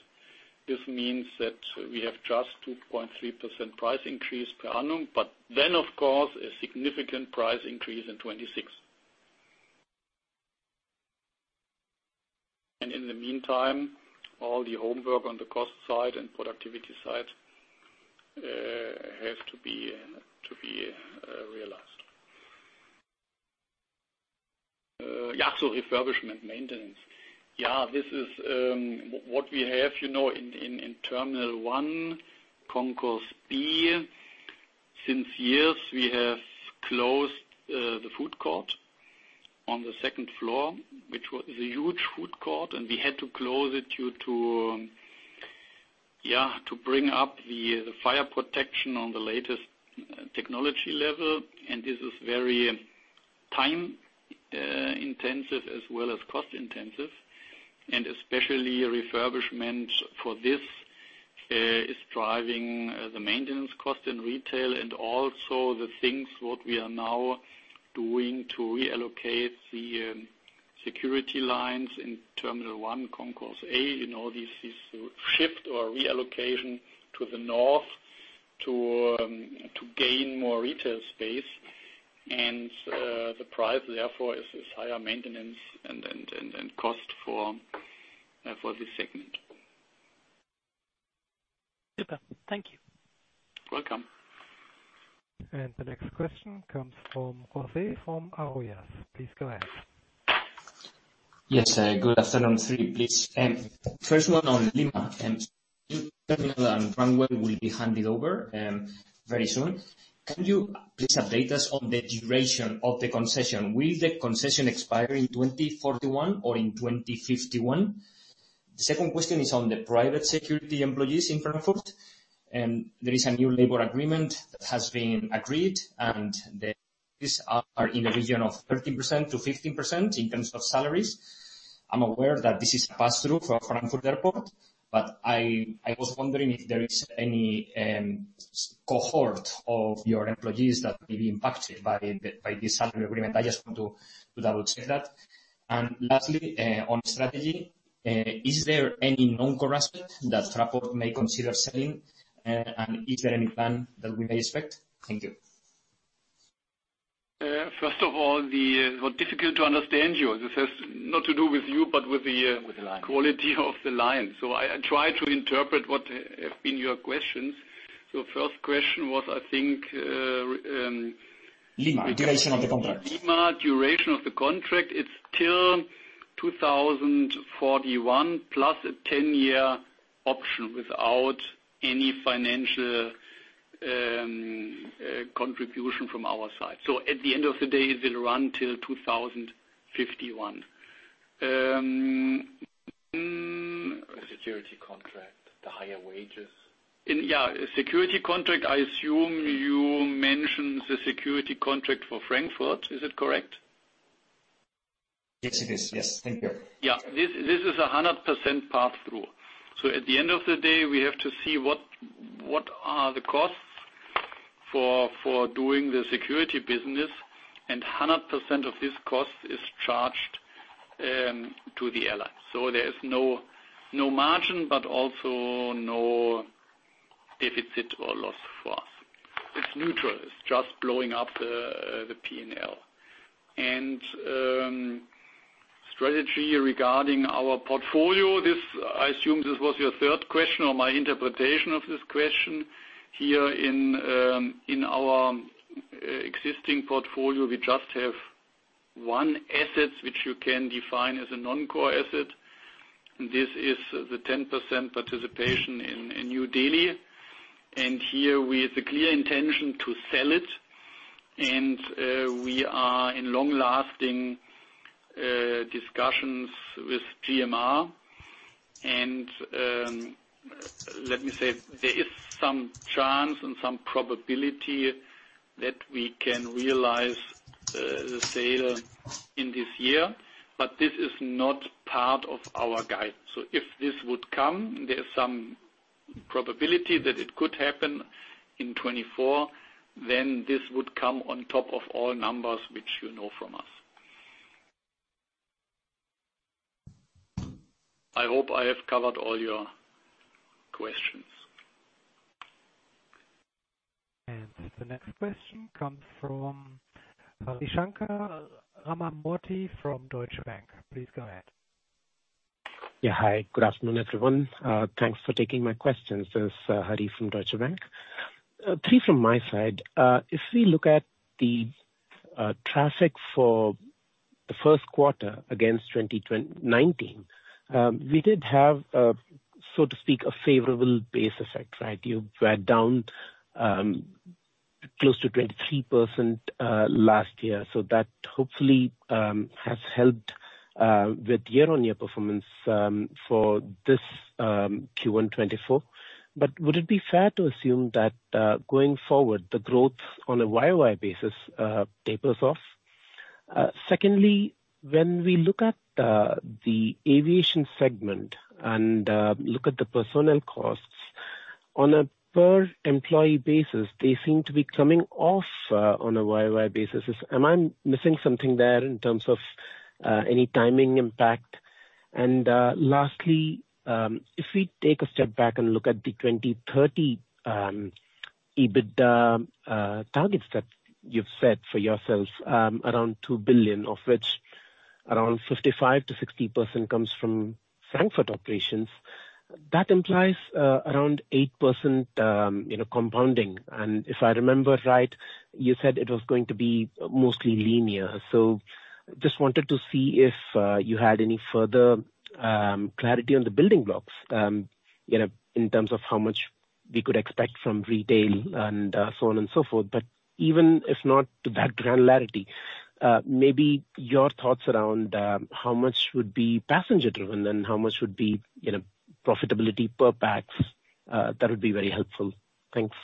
This means that we have just 2.3% price increase per annum, but then, of course, a significant price increase in 2026. And in the meantime, all the homework on the cost side and productivity side has to be realized. Yeah. So refurbishment, maintenance. Yeah. What we have in Terminal 1, Concourse B, since years, we have closed the food court on the second floor, which is a huge food court. And we had to close it, yeah, to bring up the fire protection on the latest technology level. And this is very time-intensive as well as cost-intensive. And especially refurbishment for this is driving the maintenance cost in retail and also the things what we are now doing to reallocate the security lines in Terminal 1, Concourse A. This shift or reallocation to the north to gain more retail space. And the price, therefore, is higher maintenance and cost for this segment. Super. Thank you. Welcome. And the next question comes from José Arroyas. Please go ahead. Yes. Good afternoon. 3, please. First one on Lima. New terminal and runway will be handed over very soon. Can you please update us on the duration of the concession? Will the concession expire in 2041 or in 2051? The second question is on the private security employees in Frankfurt. There is a new labor agreement that has been agreed, and the wages are in the region of 30%-15% in terms of salaries. I'm aware that this is a pass-through for Frankfurt Airport, but I was wondering if there is any cohort of your employees that may be impacted by this salary agreement. I just want to double-check that. And lastly, on strategy, is there any non-core operation that Fraport may consider selling, and is there any plan that we may expect? Thank you. First of all, difficult to understand you. This has not to do with you, but with the quality of the line. So I try to interpret what have been your questions. So first question was, I think, Lima, duration of the contract. Lima, duration of the contract, it's till 2041 plus a 10-year option without any financial contribution from our side. So at the end of the day, it will run till 2051. Security contract, the higher wages. Yeah. Security contract, I assume you mentioned the security contract for Frankfurt. Is it correct? Yes, it is. Yes. Thank you. Yeah. This is a 100% pass-through. So at the end of the day, we have to see what are the costs for doing the security business, and 100% of this cost is charged to the airline. So there is no margin, but also no deficit or loss for us. It's neutral. It's just blowing up the P&L. And strategy regarding our portfolio, I assume this was your third question or my interpretation of this question. Here in our existing portfolio, we just have one asset which you can define as a non-core asset. This is the 10% participation in New Delhi. And here with the clear intention to sell it, and we are in long-lasting discussions with GMR. And let me say, there is some chance and some probability that we can realize the sale in this year, but this is not part of our guide. So if this would come, there is some probability that it could happen in 2024, then this would come on top of all numbers which you know from us. I hope I have covered all your questions. And the next question comes from Harishankar Ramamoorthy from Deutsche Bank. Please go ahead. Yeah. Hi. Good afternoon, everyone. Thanks for taking my questions. This is Hari from Deutsche Bank. Three from my side. If we look at the traffic for the first quarter against 2019, we did have, so to speak, a favorable base effect, right? You were down close to 23% last year. So that hopefully has helped with year-on-year performance for this Q1 2024. But would it be fair to assume that going forward, the growth on a YoY basis tapers off? Secondly, when we look at the aviation segment and look at the personnel costs, on a per-employee basis, they seem to be coming off on a YOY basis. Am I missing something there in terms of any timing impact? And lastly, if we take a step back and look at the 2030 EBITDA targets that you've set for yourselves, around 2 billion, of which around 55%-60% comes from Frankfurt operations, that implies around 8% compounding. And if I remember right, you said it was going to be mostly linear. So just wanted to see if you had any further clarity on the building blocks in terms of how much we could expect from retail and so on and so forth. But even if not to that granularity, maybe your thoughts around how much would be passenger-driven and how much would be profitability per PAX, that would be very helpful. Thanks.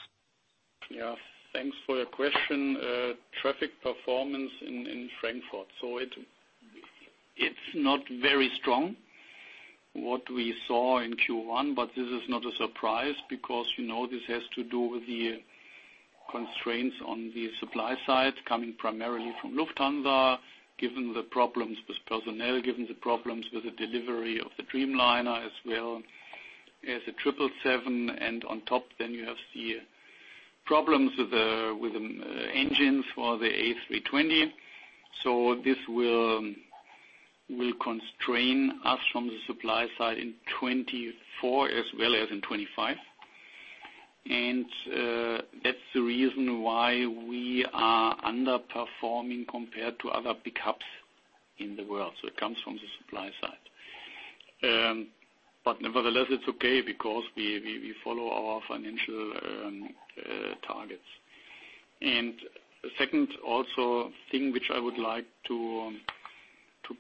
Yeah. Thanks for your question. Traffic performance in Frankfurt. So it's not very strong what we saw in Q1, but this is not a surprise because this has to do with the constraints on the supply side coming primarily from Lufthansa, given the problems with personnel, given the problems with the delivery of the Dreamliner as well as the 777. And on top, then you have the problems with the engines for the A320. So this will constrain us from the supply side in 2024 as well as in 2025. And that's the reason why we are underperforming compared to other hubs in the world. So it comes from the supply side. Nevertheless, it's okay because we follow our financial targets. Second, also, thing which I would like to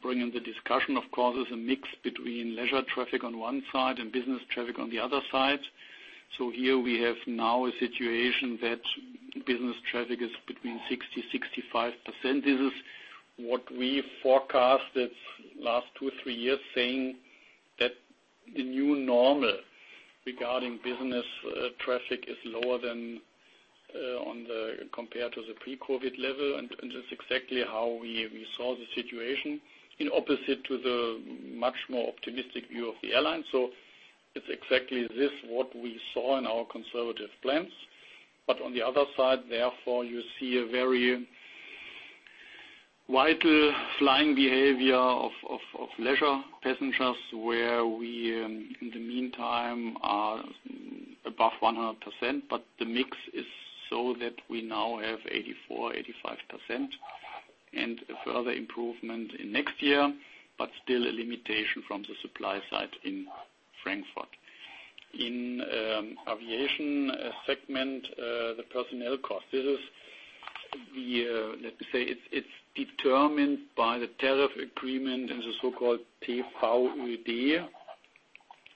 bring in the discussion, of course, is a mix between leisure traffic on one side and business traffic on the other side. So here we have now a situation that business traffic is between 60%-65%. This is what we forecasted last two, three years, saying that the new normal regarding business traffic is lower than compared to the pre-COVID level. And it's exactly how we saw the situation, in opposite to the much more optimistic view of the airlines. So it's exactly this what we saw in our conservative plans. But on the other side, therefore, you see a very vital flying behavior of leisure passengers where we, in the meantime, are above 100%. But the mix is so that we now have 84%-85% and a further improvement in next year, but still a limitation from the supply side in Frankfurt. In aviation segment, the personnel cost, let me say, it's determined by the tariff agreement and the so-called TVöD,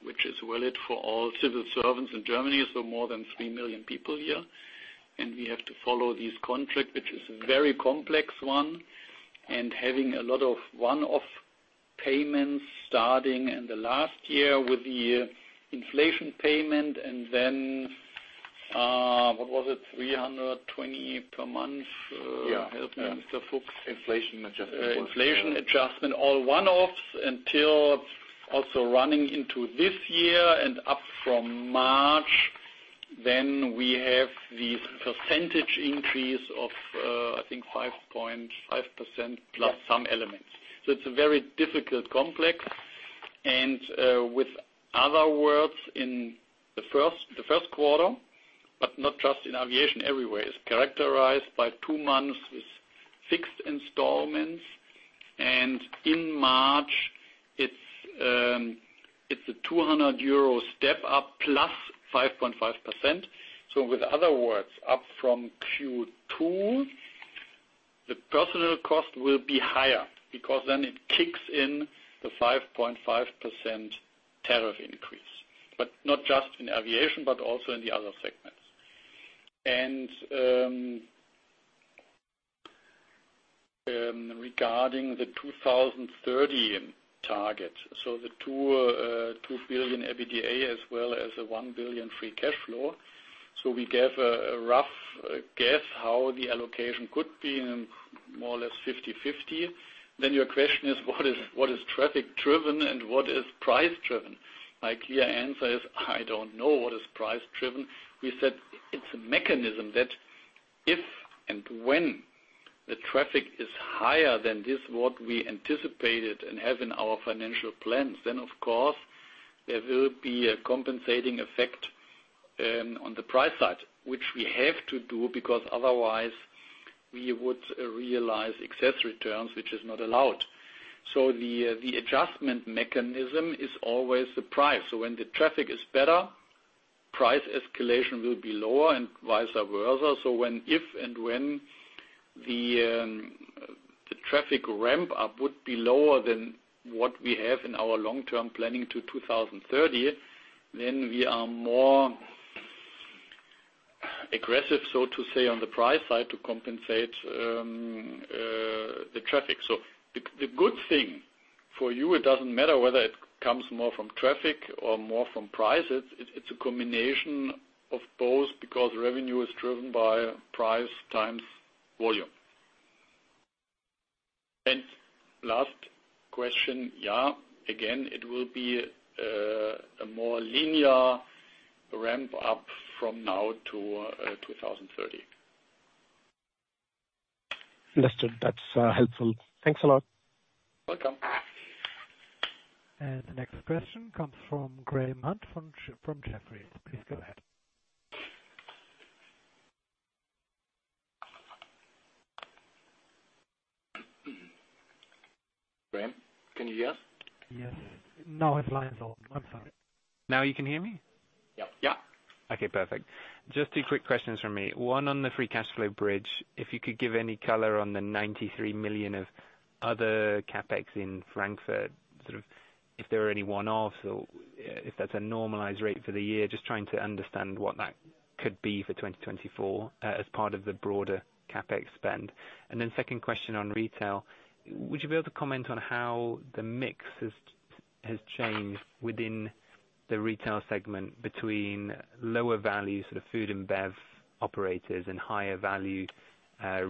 which is valid for all civil servants in Germany. So more than 3 million people here. And we have to follow this contract, which is a very complex one, and having a lot of one-off payments starting in the last year with the inflation payment. And then what was it? 320 per month. Help me, Mr. Fuchs. Yeah. Inflation adjustment was. Inflation adjustment, all one-offs until also running into this year and up from March, then we have this percentage increase of, I think, 5.5% plus some elements. So it's a very difficult complex. In other words, in the first quarter, but not just in aviation, everywhere, is characterized by two months with fixed installments. In March, it's a 200 euro step up plus 5.5%. So in other words, up from Q2, the personal cost will be higher because then it kicks in the 5.5% tariff increase, but not just in aviation, but also in the other segments. Regarding the 2030 target, so the 2 billion EBITDA as well as a 1 billion free cash flow, so we gave a rough guess how the allocation could be more or less 50/50. Then your question is, what is traffic-driven and what is price-driven? My clear answer is, I don't know what is price-driven. We said it's a mechanism that if and when the traffic is higher than this, what we anticipated and have in our financial plans, then, of course, there will be a compensating effect on the price side, which we have to do because otherwise, we would realize excess returns, which is not allowed. So the adjustment mechanism is always the price. So when the traffic is better, price escalation will be lower and vice versa. So if and when the traffic ramp-up would be lower than what we have in our long-term planning to 2030, then we are more aggressive, so to say, on the price side to compensate the traffic. So the good thing for you, it doesn't matter whether it comes more from traffic or more from price. It's a combination of both because revenue is driven by price times volume. And last question, yeah, again, it will be a more linear ramp-up from now to 2030. Understood. That's helpful. Thanks a lot. Welcome. And the next question comes from Graham Hunt from Jefferies. Please go ahead. Graham, can you hear us? Yes. Now his line is on. I'm sorry. Now you can hear me? Yeah. Yeah. Okay. Perfect. Just two quick questions from me. One on the free cash flow bridge. If you could give any color on the 93 million of other CapEx in Frankfurt, sort of if there were any one-offs, or if that's a normalized rate for the year, just trying to understand what that could be for 2024 as part of the broader CapEx spend. And then second question on retail. Would you be able to comment on how the mix has changed within the retail segment between lower-value sort of food and bev operators and higher-value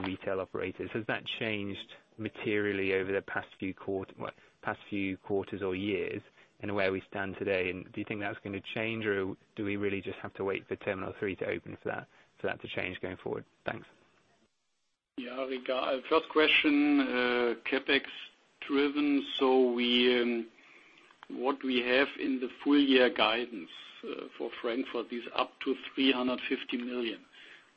retail operators? Has that changed materially over the past few quarters or years and where we stand today? And do you think that's going to change, or do we really just have to wait for Terminal 3 to open for that to change going forward? Thanks. Yeah. First question, CapEx-driven. So what we have in the full-year guidance for Frankfurt, this up to 350 million,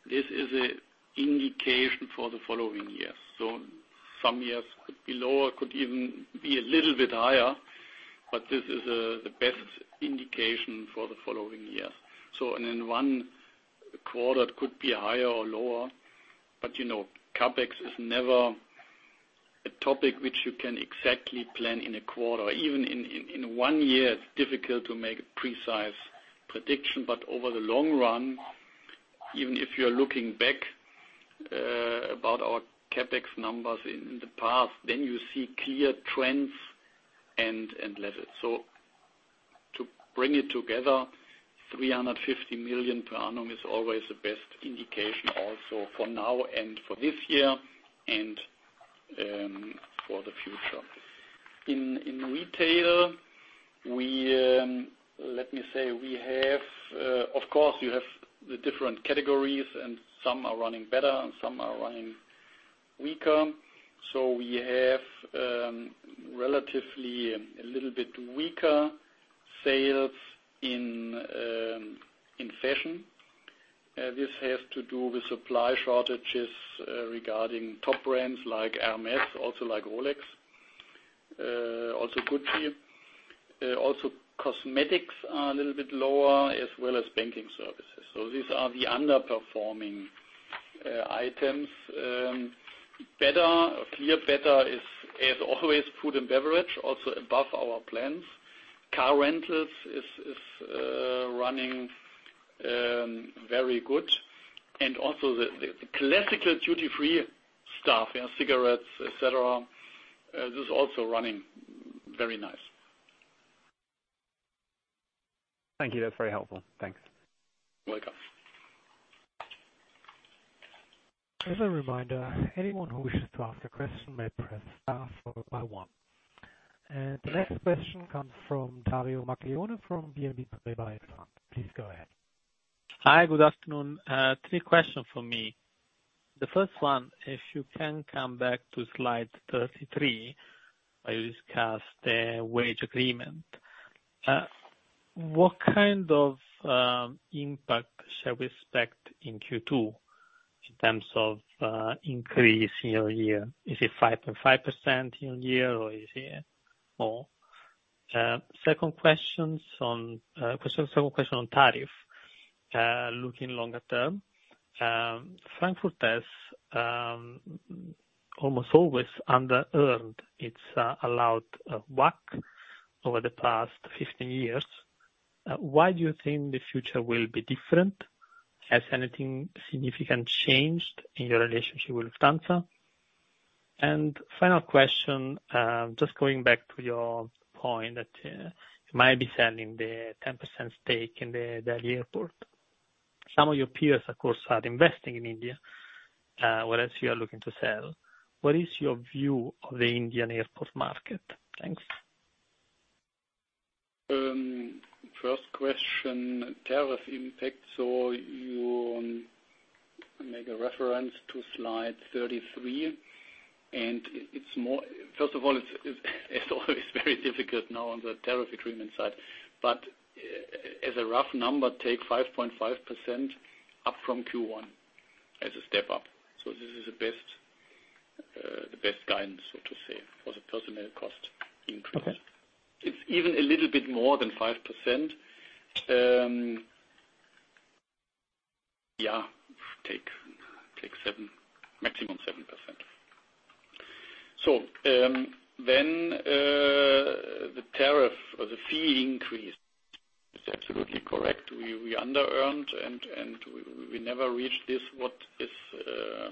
this is an indication for the following years. So some years could be lower, could even be a little bit higher, but this is the best indication for the following years. So in one quarter, it could be higher or lower. But CapEx is never a topic which you can exactly plan in a quarter. Even in one year, it's difficult to make a precise prediction. But over the long run, even if you're looking back about our CapEx numbers in the past, then you see clear trends and levels. So to bring it together, 350 million per annum is always the best indication also for now and for this year and for the future. In retail, let me say, of course, you have the different categories, and some are running better and some are running weaker. So we have relatively a little bit weaker sales in fashion. This has to do with supply shortages regarding top brands like Hermès, also like Rolex, also Gucci. Also, cosmetics are a little bit lower as well as banking services. So these are the underperforming items. Clear better is, as always, food and beverage, also above our plans. Car rentals is running very good. And also the classical duty-free stuff, cigarettes, etc., this is also running very nice. Thank you. That's very helpful. Thanks. Welcome. As a reminder, anyone who wishes to ask a question may press star one. And the next question comes from Dario Maglione from BNP Paribas. Please go ahead. Hi. Good afternoon. Three questions for me. The first one, if you can come back to slide 33 where you discussed the wage agreement, what kind of impact shall we expect in Q2 in terms of increase year-on-year? Is it 5.5% year-on-year, or is it more? Second question on tariff, looking longer term. Frankfurt has almost always under-earned its allowed WACC over the past 15 years. Why do you think the future will be different? Has anything significant changed in your relationship with Lufthansa? Final question, just going back to your point that you might be selling the 10% stake in the airport. Some of your peers, of course, are investing in India, whereas you are looking to sell. What is your view of the Indian airport market? Thanks. First question, tariff impact. So you make a reference to slide 33. First of all, it's always very difficult now on the tariff agreement side. As a rough number, take 5.5% up from Q1 as a step up. This is the best guidance, so to say, for the personnel cost increase. It's even a little bit more than 5%. Yeah. Take maximum 7%. Then the tariff or the fee increase. It's absolutely correct. We under-earned, and we never reached what is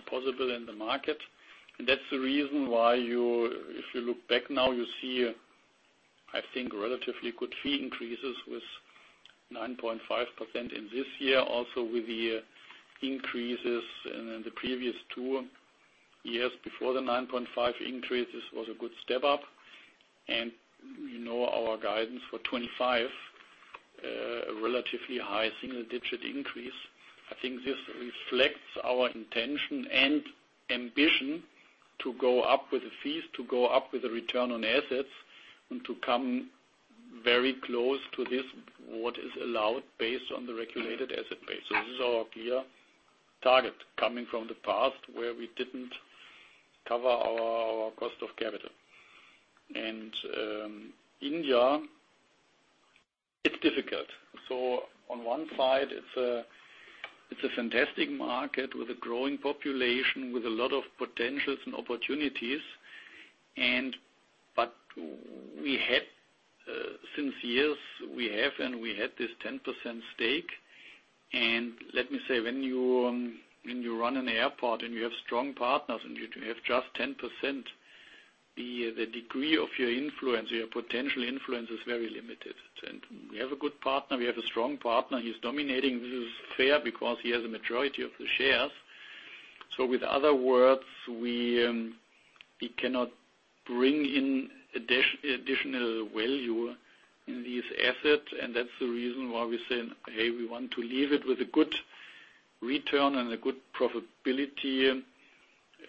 possible in the market. That's the reason why, if you look back now, you see, I think, relatively good fee increases with 9.5% in this year, also with the increases in the previous two years before the 9.5 increase. This was a good step up. Our guidance for 2025, a relatively high single-digit increase. I think this reflects our intention and ambition to go up with the fees, to go up with the return on assets, and to come very close to what is allowed based on the regulated asset base. This is our clear target coming from the past where we didn't cover our cost of capital. India, it's difficult. On one side, it's a fantastic market with a growing population, with a lot of potentials and opportunities. But since years, we have, and we had this 10% stake. Let me say, when you run an airport and you have strong partners and you have just 10%, the degree of your influence, your potential influence, is very limited. We have a good partner. We have a strong partner. He's dominating. This is fair because he has a majority of the shares. In other words, we cannot bring in additional value in these assets. That's the reason why we say, "Hey, we want to leave it with a good return and a good profitability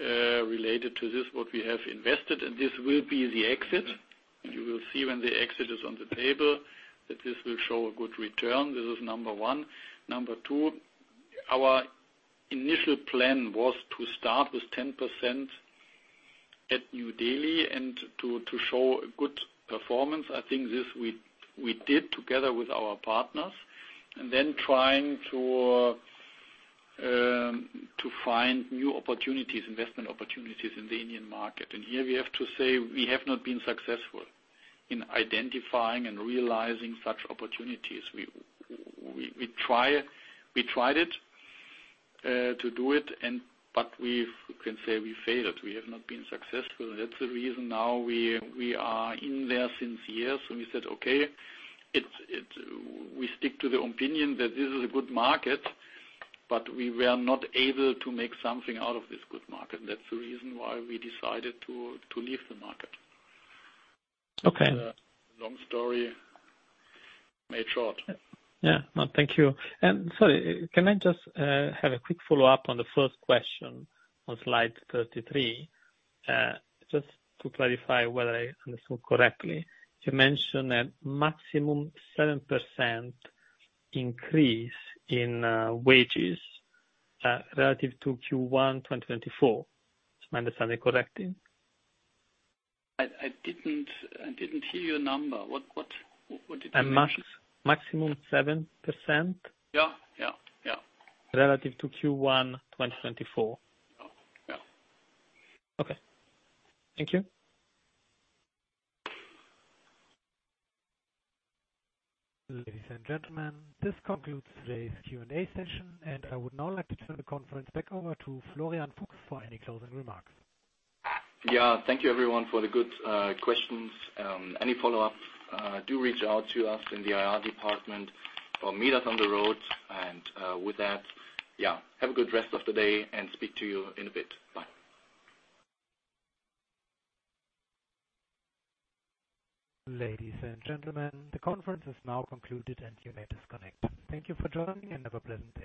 related to this, what we have invested." This will be the exit. You will see when the exit is on the table that this will show a good return. This is number one. Number two, our initial plan was to start with 10% at New Delhi and to show a good performance. I think this we did together with our partners and then trying to find new opportunities, investment opportunities in the Indian market. And here, we have to say, we have not been successful in identifying and realizing such opportunities. We tried it to do it, but we can say we failed. We have not been successful. And that's the reason now we are in there since years. And we said, "Okay. We stick to the opinion that this is a good market, but we were not able to make something out of this good market." And that's the reason why we decided to leave the market. Long story made short. Yeah. No. Thank you. And sorry, can I just have a quick follow-up on the first question on slide 33? Just to clarify whether I understood correctly, you mentioned a maximum 7% increase in wages relative to Q1 2024. Am I understanding correctly? I didn't hear your number. What did you say? Maximum 7% relative to Q1 2024. Yeah Okay. Thank you. Ladies and gentlemen, this concludes today's Q&A session. I would now like to turn the conference back over to Florian Fuchs for any closing remarks. Yeah. Thank you, everyone, for the good questions. Any follow-ups, do reach out to us in the IR department or meet us on the road. With that, yeah, have a good rest of the day and speak to you in a bit. Bye. Ladies and gentlemen, the conference is now concluded, and you may disconnect. Thank you for joining and have a pleasant day.